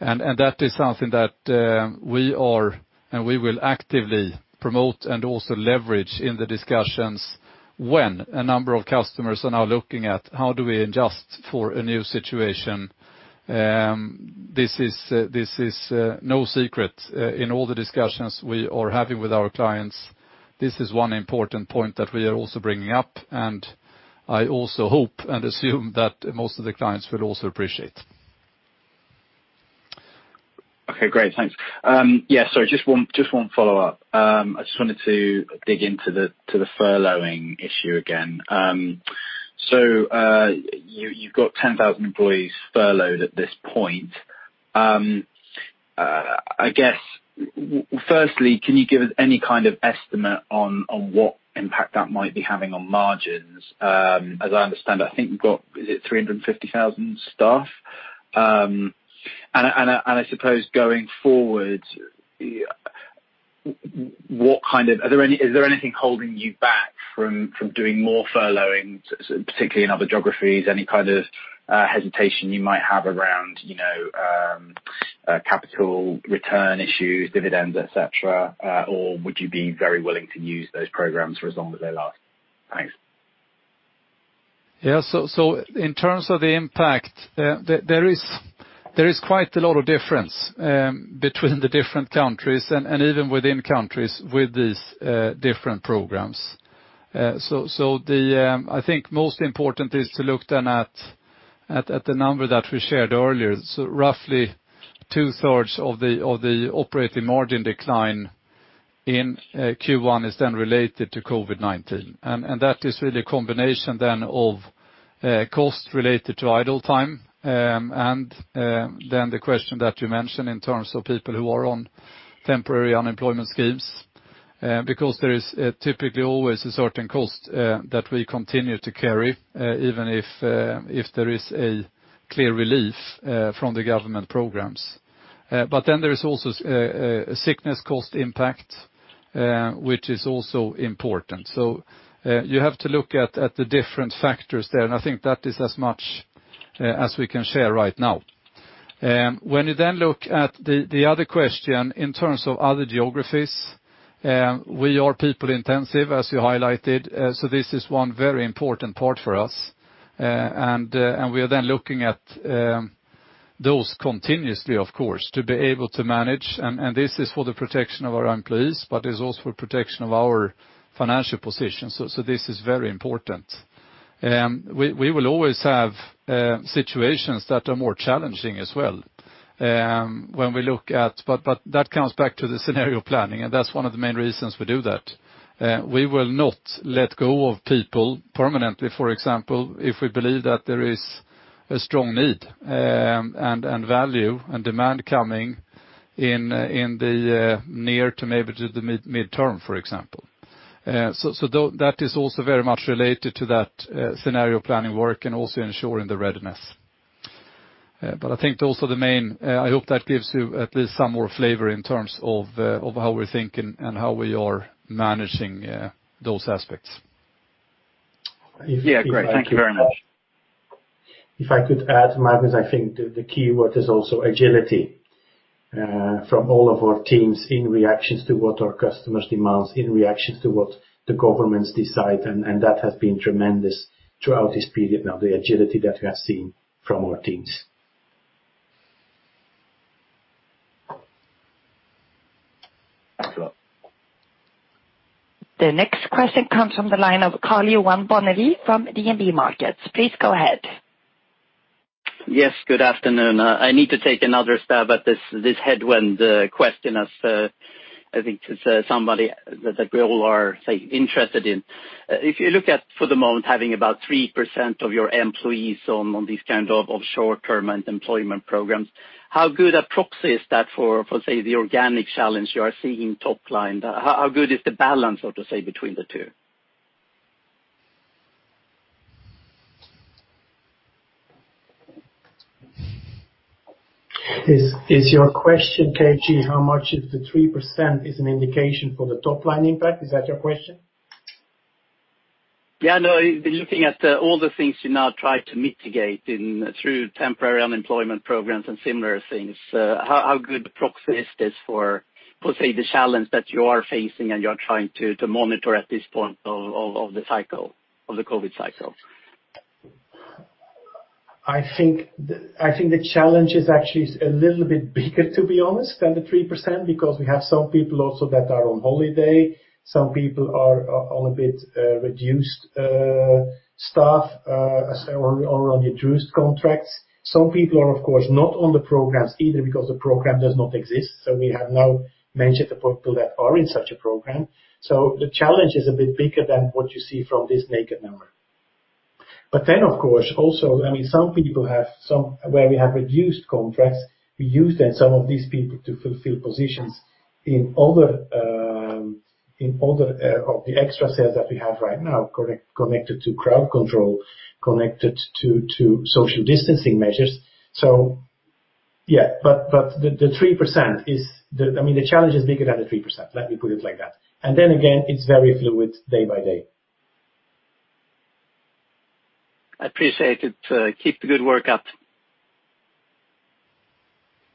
That is something that we are and we will actively promote and also leverage in the discussions when a number of customers are now looking at how do we adjust for a new situation. This is no secret. In all the discussions we are having with our clients, this is one important point that we are also bringing up, and I also hope and assume that most of the clients will also appreciate. Okay, great. Thanks. Yeah, sorry, just one follow-up. I just wanted to dig into the furloughing issue again. You've got 10,000 employees furloughed at this point. I guess, firstly, can you give us any kind of estimate on what impact that might be having on margins? As I understand, I think you've got, is it 350,000 staff? I suppose going forward, is there anything holding you back from doing more furloughing, particularly in other geographies? Any kind of hesitation you might have around capital return issues, dividends, et cetera? Would you be very willing to use those programs for as long as they last? Thanks. In terms of the impact, there is quite a lot of difference between the different countries and even within countries with these different programs. I think most important is to look then at the number that we shared earlier. Roughly 2/3 of the operating margin decline in Q1 is then related to COVID-19. That is really a combination then of cost related to idle time, and then the question that you mentioned in terms of people who are on temporary unemployment schemes, because there is typically always a certain cost that we continue to carry, even if there is a clear relief from the government programs. There is also a sickness cost impact, which is also important. You have to look at the different factors there, and I think that is as much as we can share right now. You look at the other question in terms of other geographies, we are people intensive, as you highlighted. This is one very important part for us, and we are looking at those continuously, of course, to be able to manage. This is for the protection of our employees, but it's also for protection of our financial position. This is very important. We will always have situations that are more challenging as well. That comes back to the scenario planning, and that's one of the main reasons we do that. We will not let go of people permanently, for example, if we believe that there is a strong need and value and demand coming in the near to maybe to the midterm, for example. That is also very much related to that scenario planning work and also ensuring the readiness. I hope that gives you at least some more flavor in terms of how we think and how we are managing those aspects. Yeah, great. Thank you very much. If I could add, Magnus, I think the keyword is also agility from all of our teams in reactions to what our customers demand, in reactions to what the governments decide, and that has been tremendous throughout this period now, the agility that we have seen from our teams. Absolutely. The next question comes from the line of Karl-Johan Bonnevier from DNB Markets. Please go ahead. Yes, good afternoon. I need to take another stab at this headwind question as I think it's somebody that we all are interested in. If you look at, for the moment, having about 3% of your employees on these kind of short-term employment programs, how good a proxy is that for, say, the organic challenge you are seeing top line? How good is the balance, so to say, between the two? Is your question, KJ, how much of the 3% is an indication for the top-line impact? Is that your question? Yeah, no. Looking at all the things you now try to mitigate through temporary unemployment programs and similar things, how good a proxy is this for, say, the challenge that you are facing and you're trying to monitor at this point of the COVID-19 cycle? I think the challenge is actually a little bit bigger, to be honest, than the 3%, because we have some people also that are on holiday. Some people are on a bit reduced staff or on reduced contracts. Some people are, of course, not on the programs either because the program does not exist. We have now mentioned the people that are in such a program. The challenge is a bit bigger than what you see from this naked number. Of course, also, some people where we have reduced contracts, we use then some of these people to fulfill positions in all of the extra sales that we have right now connected to crowd control, connected to social distancing measures. The challenge is bigger than the 3%, let me put it like that. Then again, it's very fluid day by day. I appreciate it. Keep the good work up.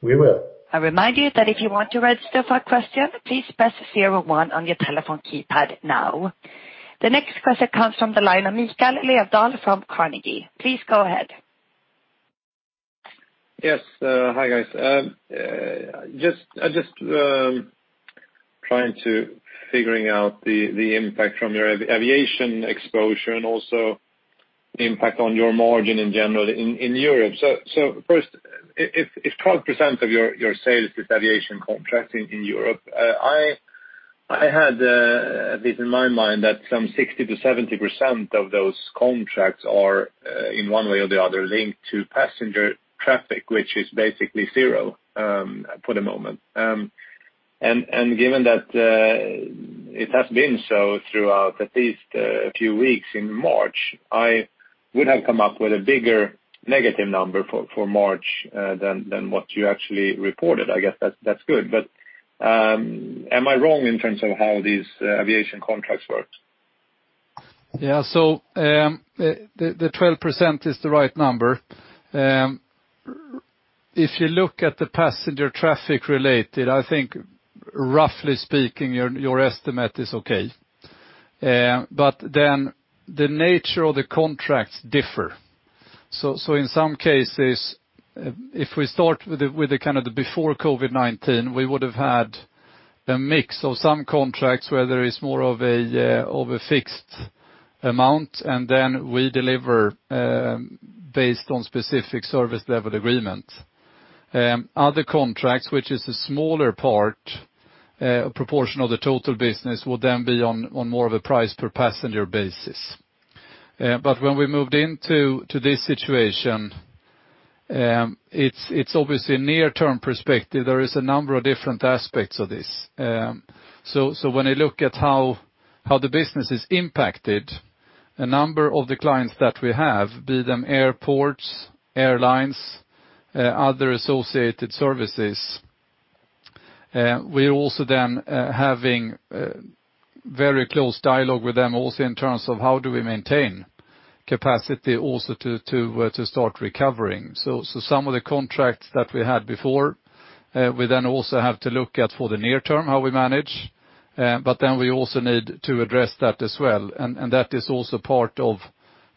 We will. I remind you that if you want to register for a question, please press zero one on your telephone keypad now. The next question comes from the line of Mikael Löfdahl from Carnegie. Please go ahead. Yes. Hi, guys. I'm just trying to figuring out the impact from your aviation exposure and also the impact on your margin in general in Europe. First, if 12% of your sales is aviation contracts in Europe, I had this in my mind that some 60%-70% of those contracts are, in one way or the other, linked to passenger traffic, which is basically zero for the moment. Given that it has been so throughout at least a few weeks in March, I would have come up with a bigger negative number for March than what you actually reported. I guess that's good. Am I wrong in terms of how these aviation contracts work? Yeah. The 12% is the right number. If you look at the passenger traffic related, I think roughly speaking, your estimate is okay. The nature of the contracts differ. In some cases, if we start with the before COVID-19, we would have had a mix of some contracts where there is more of a fixed amount, and then we deliver based on specific service level agreement. Other contracts, which is a smaller part, proportion of the total business, will then be on more of a price per passenger basis. When we moved into this situation, it's obviously a near term perspective. There is a number of different aspects of this. When I look at how the business is impacted, a number of the clients that we have, be them airports, airlines, other associated services, we are also then having very close dialogue with them also in terms of how do we maintain capacity also to start recovering. Some of the contracts that we had before, we then also have to look at for the near term, how we manage, but then we also need to address that as well. That is also part of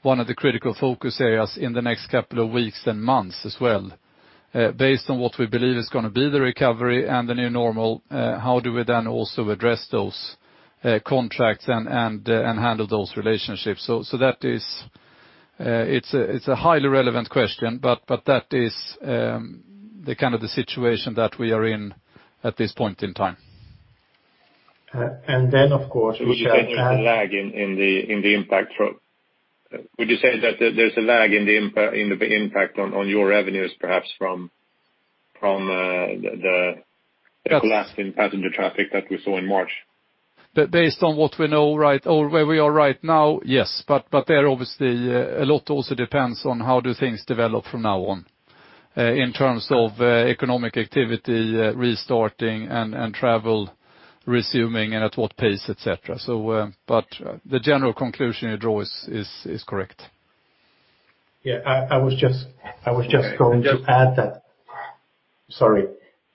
one of the critical focus areas in the next couple of weeks and months as well, based on what we believe is going to be the recovery and the new normal, how do we then also address those contracts and handle those relationships? It's a highly relevant question, but that is the kind of the situation that we are in at this point in time. Of course, we shall add. Would you say there is a lag in the impact on your revenues perhaps from the collapse in passenger traffic that we saw in March? Based on where we are right now, yes. There, obviously, a lot also depends on how do things develop from now on, in terms of economic activity restarting and travel resuming and at what pace, et cetera. The general conclusion you draw is correct. I was just going to add that. Sorry.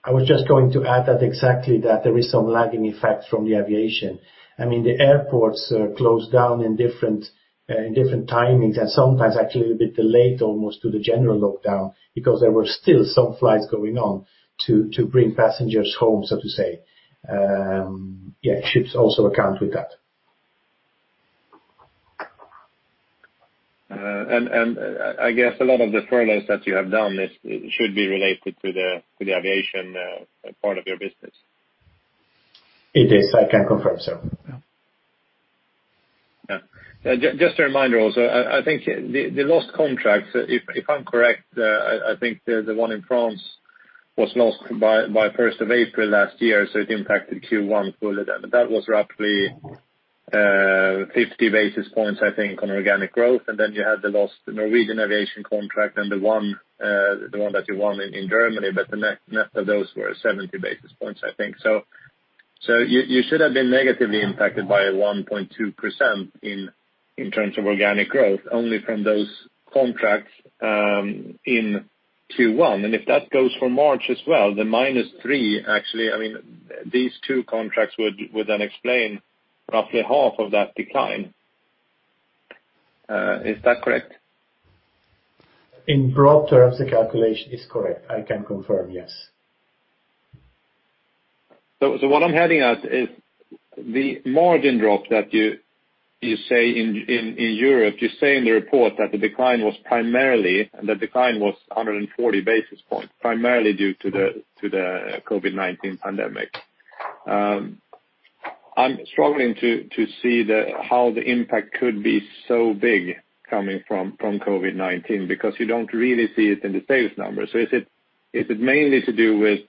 I was just going to add that exactly, that there is some lagging effect from the aviation. The airports closed down in different timings and sometimes actually a bit delayed almost to the general lockdown because there were still some flights going on to bring passengers home, so to say. Ships also account with that. I guess a lot of the furloughs that you have done should be related to the aviation part of your business. It is, I can confirm so. Yeah. Just a reminder also, I think the lost contracts, if I'm correct, I think the one in France was lost by 1st of April last year, so it impacted Q1 fully then. That was roughly 50 basis points, I think, on organic growth. Then you had the lost Norwegian Aviation contract and the one that you won in Germany, but the net of those were 70 basis points, I think. You should have been negatively impacted by 1.2% in terms of organic growth only from those contracts in Q1. If that goes for March as well, the minus three, actually, these two contracts would then explain roughly half of that decline. Is that correct? In broad terms, the calculation is correct. I can confirm, yes. What I'm heading at is the margin drop that you say in Europe, you say in the report that the decline was 140 basis points, primarily due to the COVID-19 pandemic. I'm struggling to see how the impact could be so big coming from COVID-19 because you don't really see it in the sales numbers. Is it mainly to do with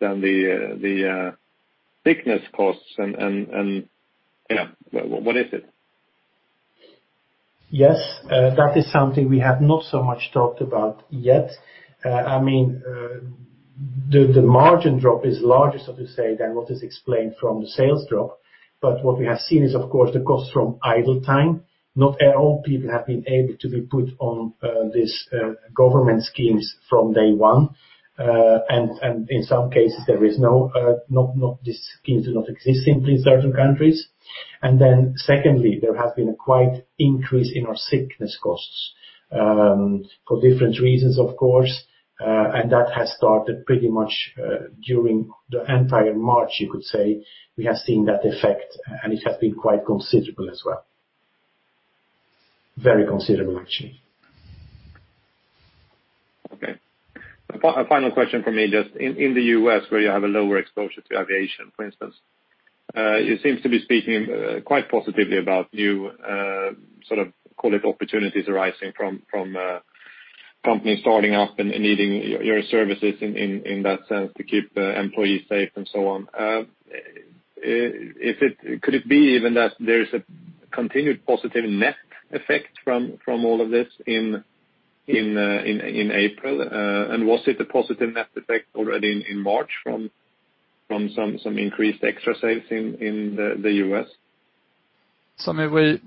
then the sickness costs and what is it? Yes. That is something we have not so much talked about yet. The margin drop is larger, so to say, than what is explained from the sales drop. What we have seen is, of course, the cost from idle time. Not all people have been able to be put on these government schemes from day one. In some cases, these schemes do not exist in certain countries. Then secondly, there has been a quite increase in our sickness costs, for different reasons, of course. That has started pretty much during the entire March, you could say, we have seen that effect, and it has been quite considerable as well. Very considerable, actually. Okay. A final question from me, just in the U.S. where you have a lower exposure to aviation, for instance. You seem to be speaking quite positively about new call it opportunities arising from companies starting up and needing your services in that sense to keep employees safe and so on. Could it be even that there is a continued positive net effect from all of this in April? Was it a positive net effect already in March from some increased extra sales in the U.S.? Sam,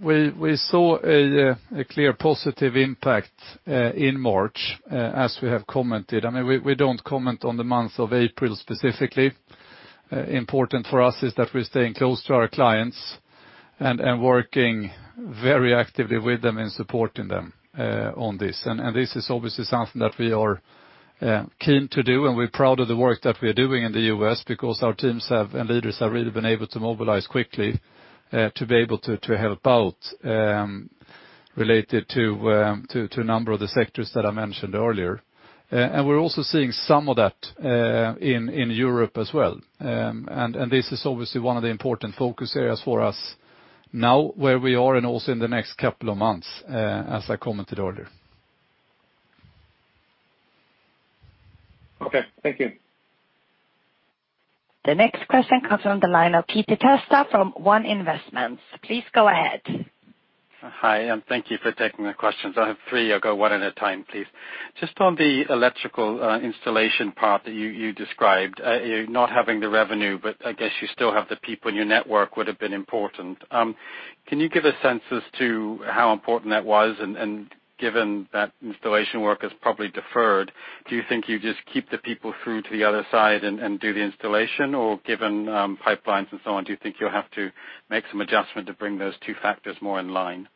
we saw a clear positive impact in March, as we have commented. We don't comment on the month of April specifically. Important for us is that we're staying close to our clients, and working very actively with them in supporting them on this. This is obviously something that we are keen to do, and we're proud of the work that we are doing in the U.S. because our teams have, and leaders have really been able to mobilize quickly to be able to help out, related to a number of the sectors that I mentioned earlier. We're also seeing some of that in Europe as well. This is obviously one of the important focus areas for us now where we are and also in the next couple of months, as I commented earlier. Okay. Thank you. The next question comes from the line of Peter Testa from One Investments. Please go ahead. Hi, thank you for taking the questions. I have three. I'll go one at a time, please. Just on the electrical installation part that you described, you're not having the revenue, I guess you still have the people in your network would've been important. Can you give a sense as to how important that was? Given that installation work is probably deferred, do you think you just keep the people through to the other side and do the installation? Given pipelines and so on, do you think you'll have to make some adjustment to bring those two factors more in line?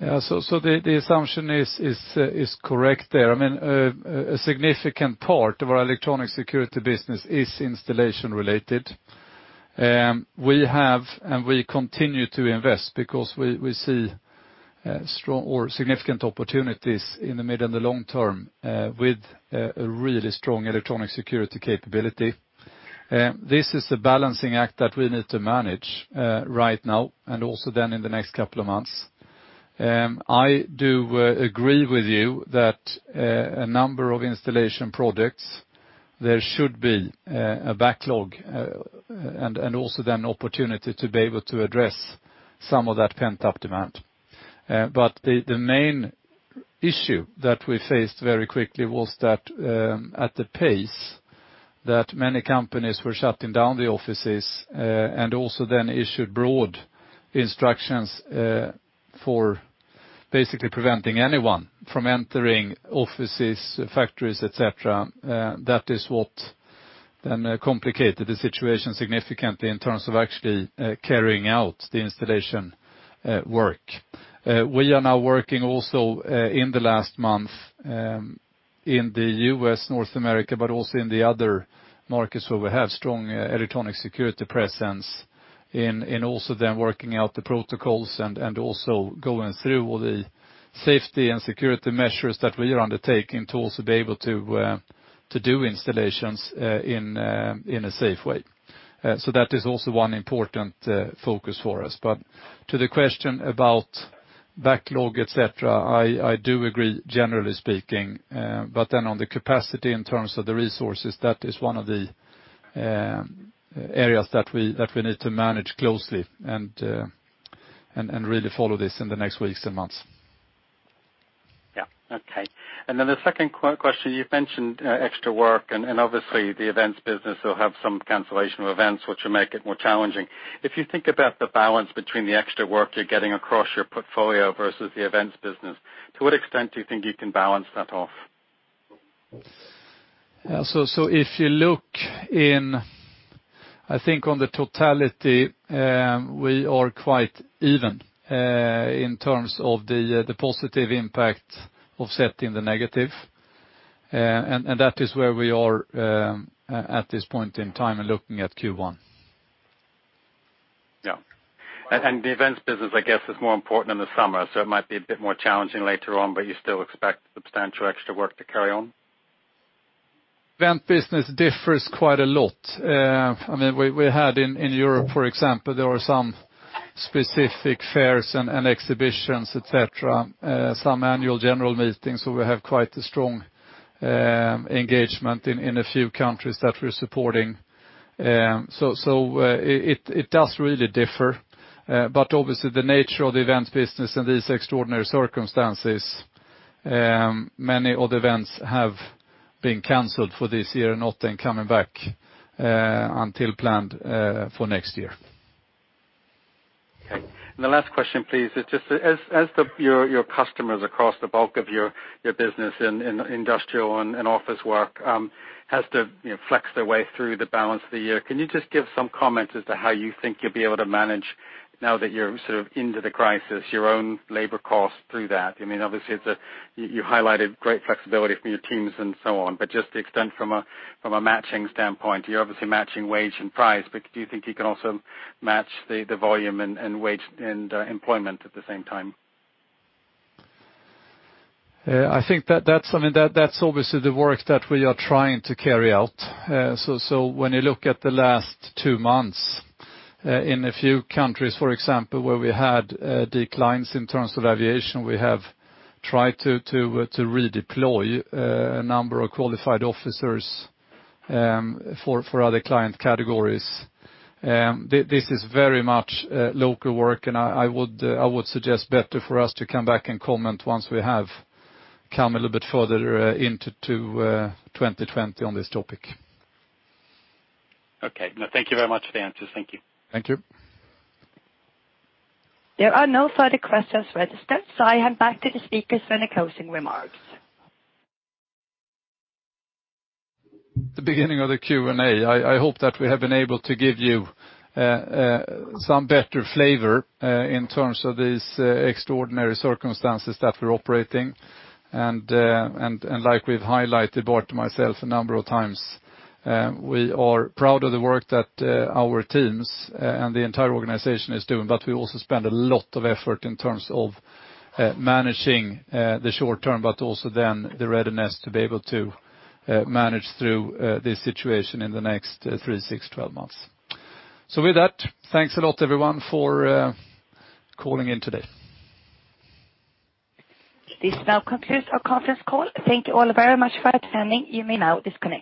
Yeah. The assumption is correct there. A significant part of our electronic security business is installation related. We have, and we continue to invest because we see strong or significant opportunities in the mid and the long term with a really strong electronic security capability. This is a balancing act that we need to manage right now, and also then in the next couple of months. I do agree with you that a number of installation projects, there should be a backlog, and also then opportunity to be able to address some of that pent-up demand. The main issue that we faced very quickly was that at the pace that many companies were shutting down the offices, and also then issued broad instructions for basically preventing anyone from entering offices, factories, et cetera. That is what then complicated the situation significantly in terms of actually carrying out the installation work. We are now working also in the last month in the U.S., North America, but also in the other markets where we have strong electronic security presence in also then working out the protocols and also going through all the safety and security measures that we are undertaking to also be able to do installations in a safe way. That is also one important focus for us. To the question about backlog, et cetera, I do agree generally speaking. On the capacity in terms of the resources, that is one of the areas that we need to manage closely and really follow this in the next weeks and months. Yeah. Okay. The second question, you've mentioned extra work, and obviously the events business will have some cancellation of events, which will make it more challenging. If you think about the balance between the extra work you're getting across your portfolio versus the events business, to what extent do you think you can balance that off? If you look in, I think on the totality, we are quite even in terms of the positive impact offsetting the negative. That is where we are at this point in time and looking at Q1. Yeah. The events business, I guess is more important in the summer, so it might be a bit more challenging later on, but you still expect substantial extra work to carry on? Event business differs quite a lot. We had in Europe for example, there were some specific fairs and exhibitions, et cetera, some annual general meetings, so we have quite a strong engagement in a few countries that we are supporting. It does really differ. Obviously the nature of the events business in these extraordinary circumstances, many of the events have been canceled for this year and not then coming back until planned for next year. The last question, please, is just as your customers across the bulk of your business in industrial and office work has to flex their way through the balance of the year, can you just give some comment as to how you think you'll be able to manage now that you're sort of into the crisis, your own labor cost through that? Obviously you highlighted great flexibility from your teams and so on, but just the extent from a matching standpoint. You're obviously matching wage and price, but do you think you can also match the volume and wage and employment at the same time? I think that's obviously the work that we are trying to carry out. When you look at the last two months in a few countries, for example, where we had declines in terms of aviation, we have tried to redeploy a number of qualified officers for other client categories. This is very much local work and I would suggest better for us to come back and comment once we have come a little bit further into 2020 on this topic. Okay. No, thank you very much for the answers. Thank you. Thank you. There are no further questions registered. I hand back to the speakers for any closing remarks. The beginning of the Q&A, I hope that we have been able to give you some better flavor in terms of these extraordinary circumstances that we're operating. Like we've highlighted, Bo and myself a number of times, we are proud of the work that our teams and the entire organization is doing, but we also spend a lot of effort in terms of managing the short term, but also then the readiness to be able to manage through this situation in the next three, six, 12 months. With that, thanks a lot everyone for calling in today. This now concludes our conference call. Thank you all very much for attending. You may now disconnect.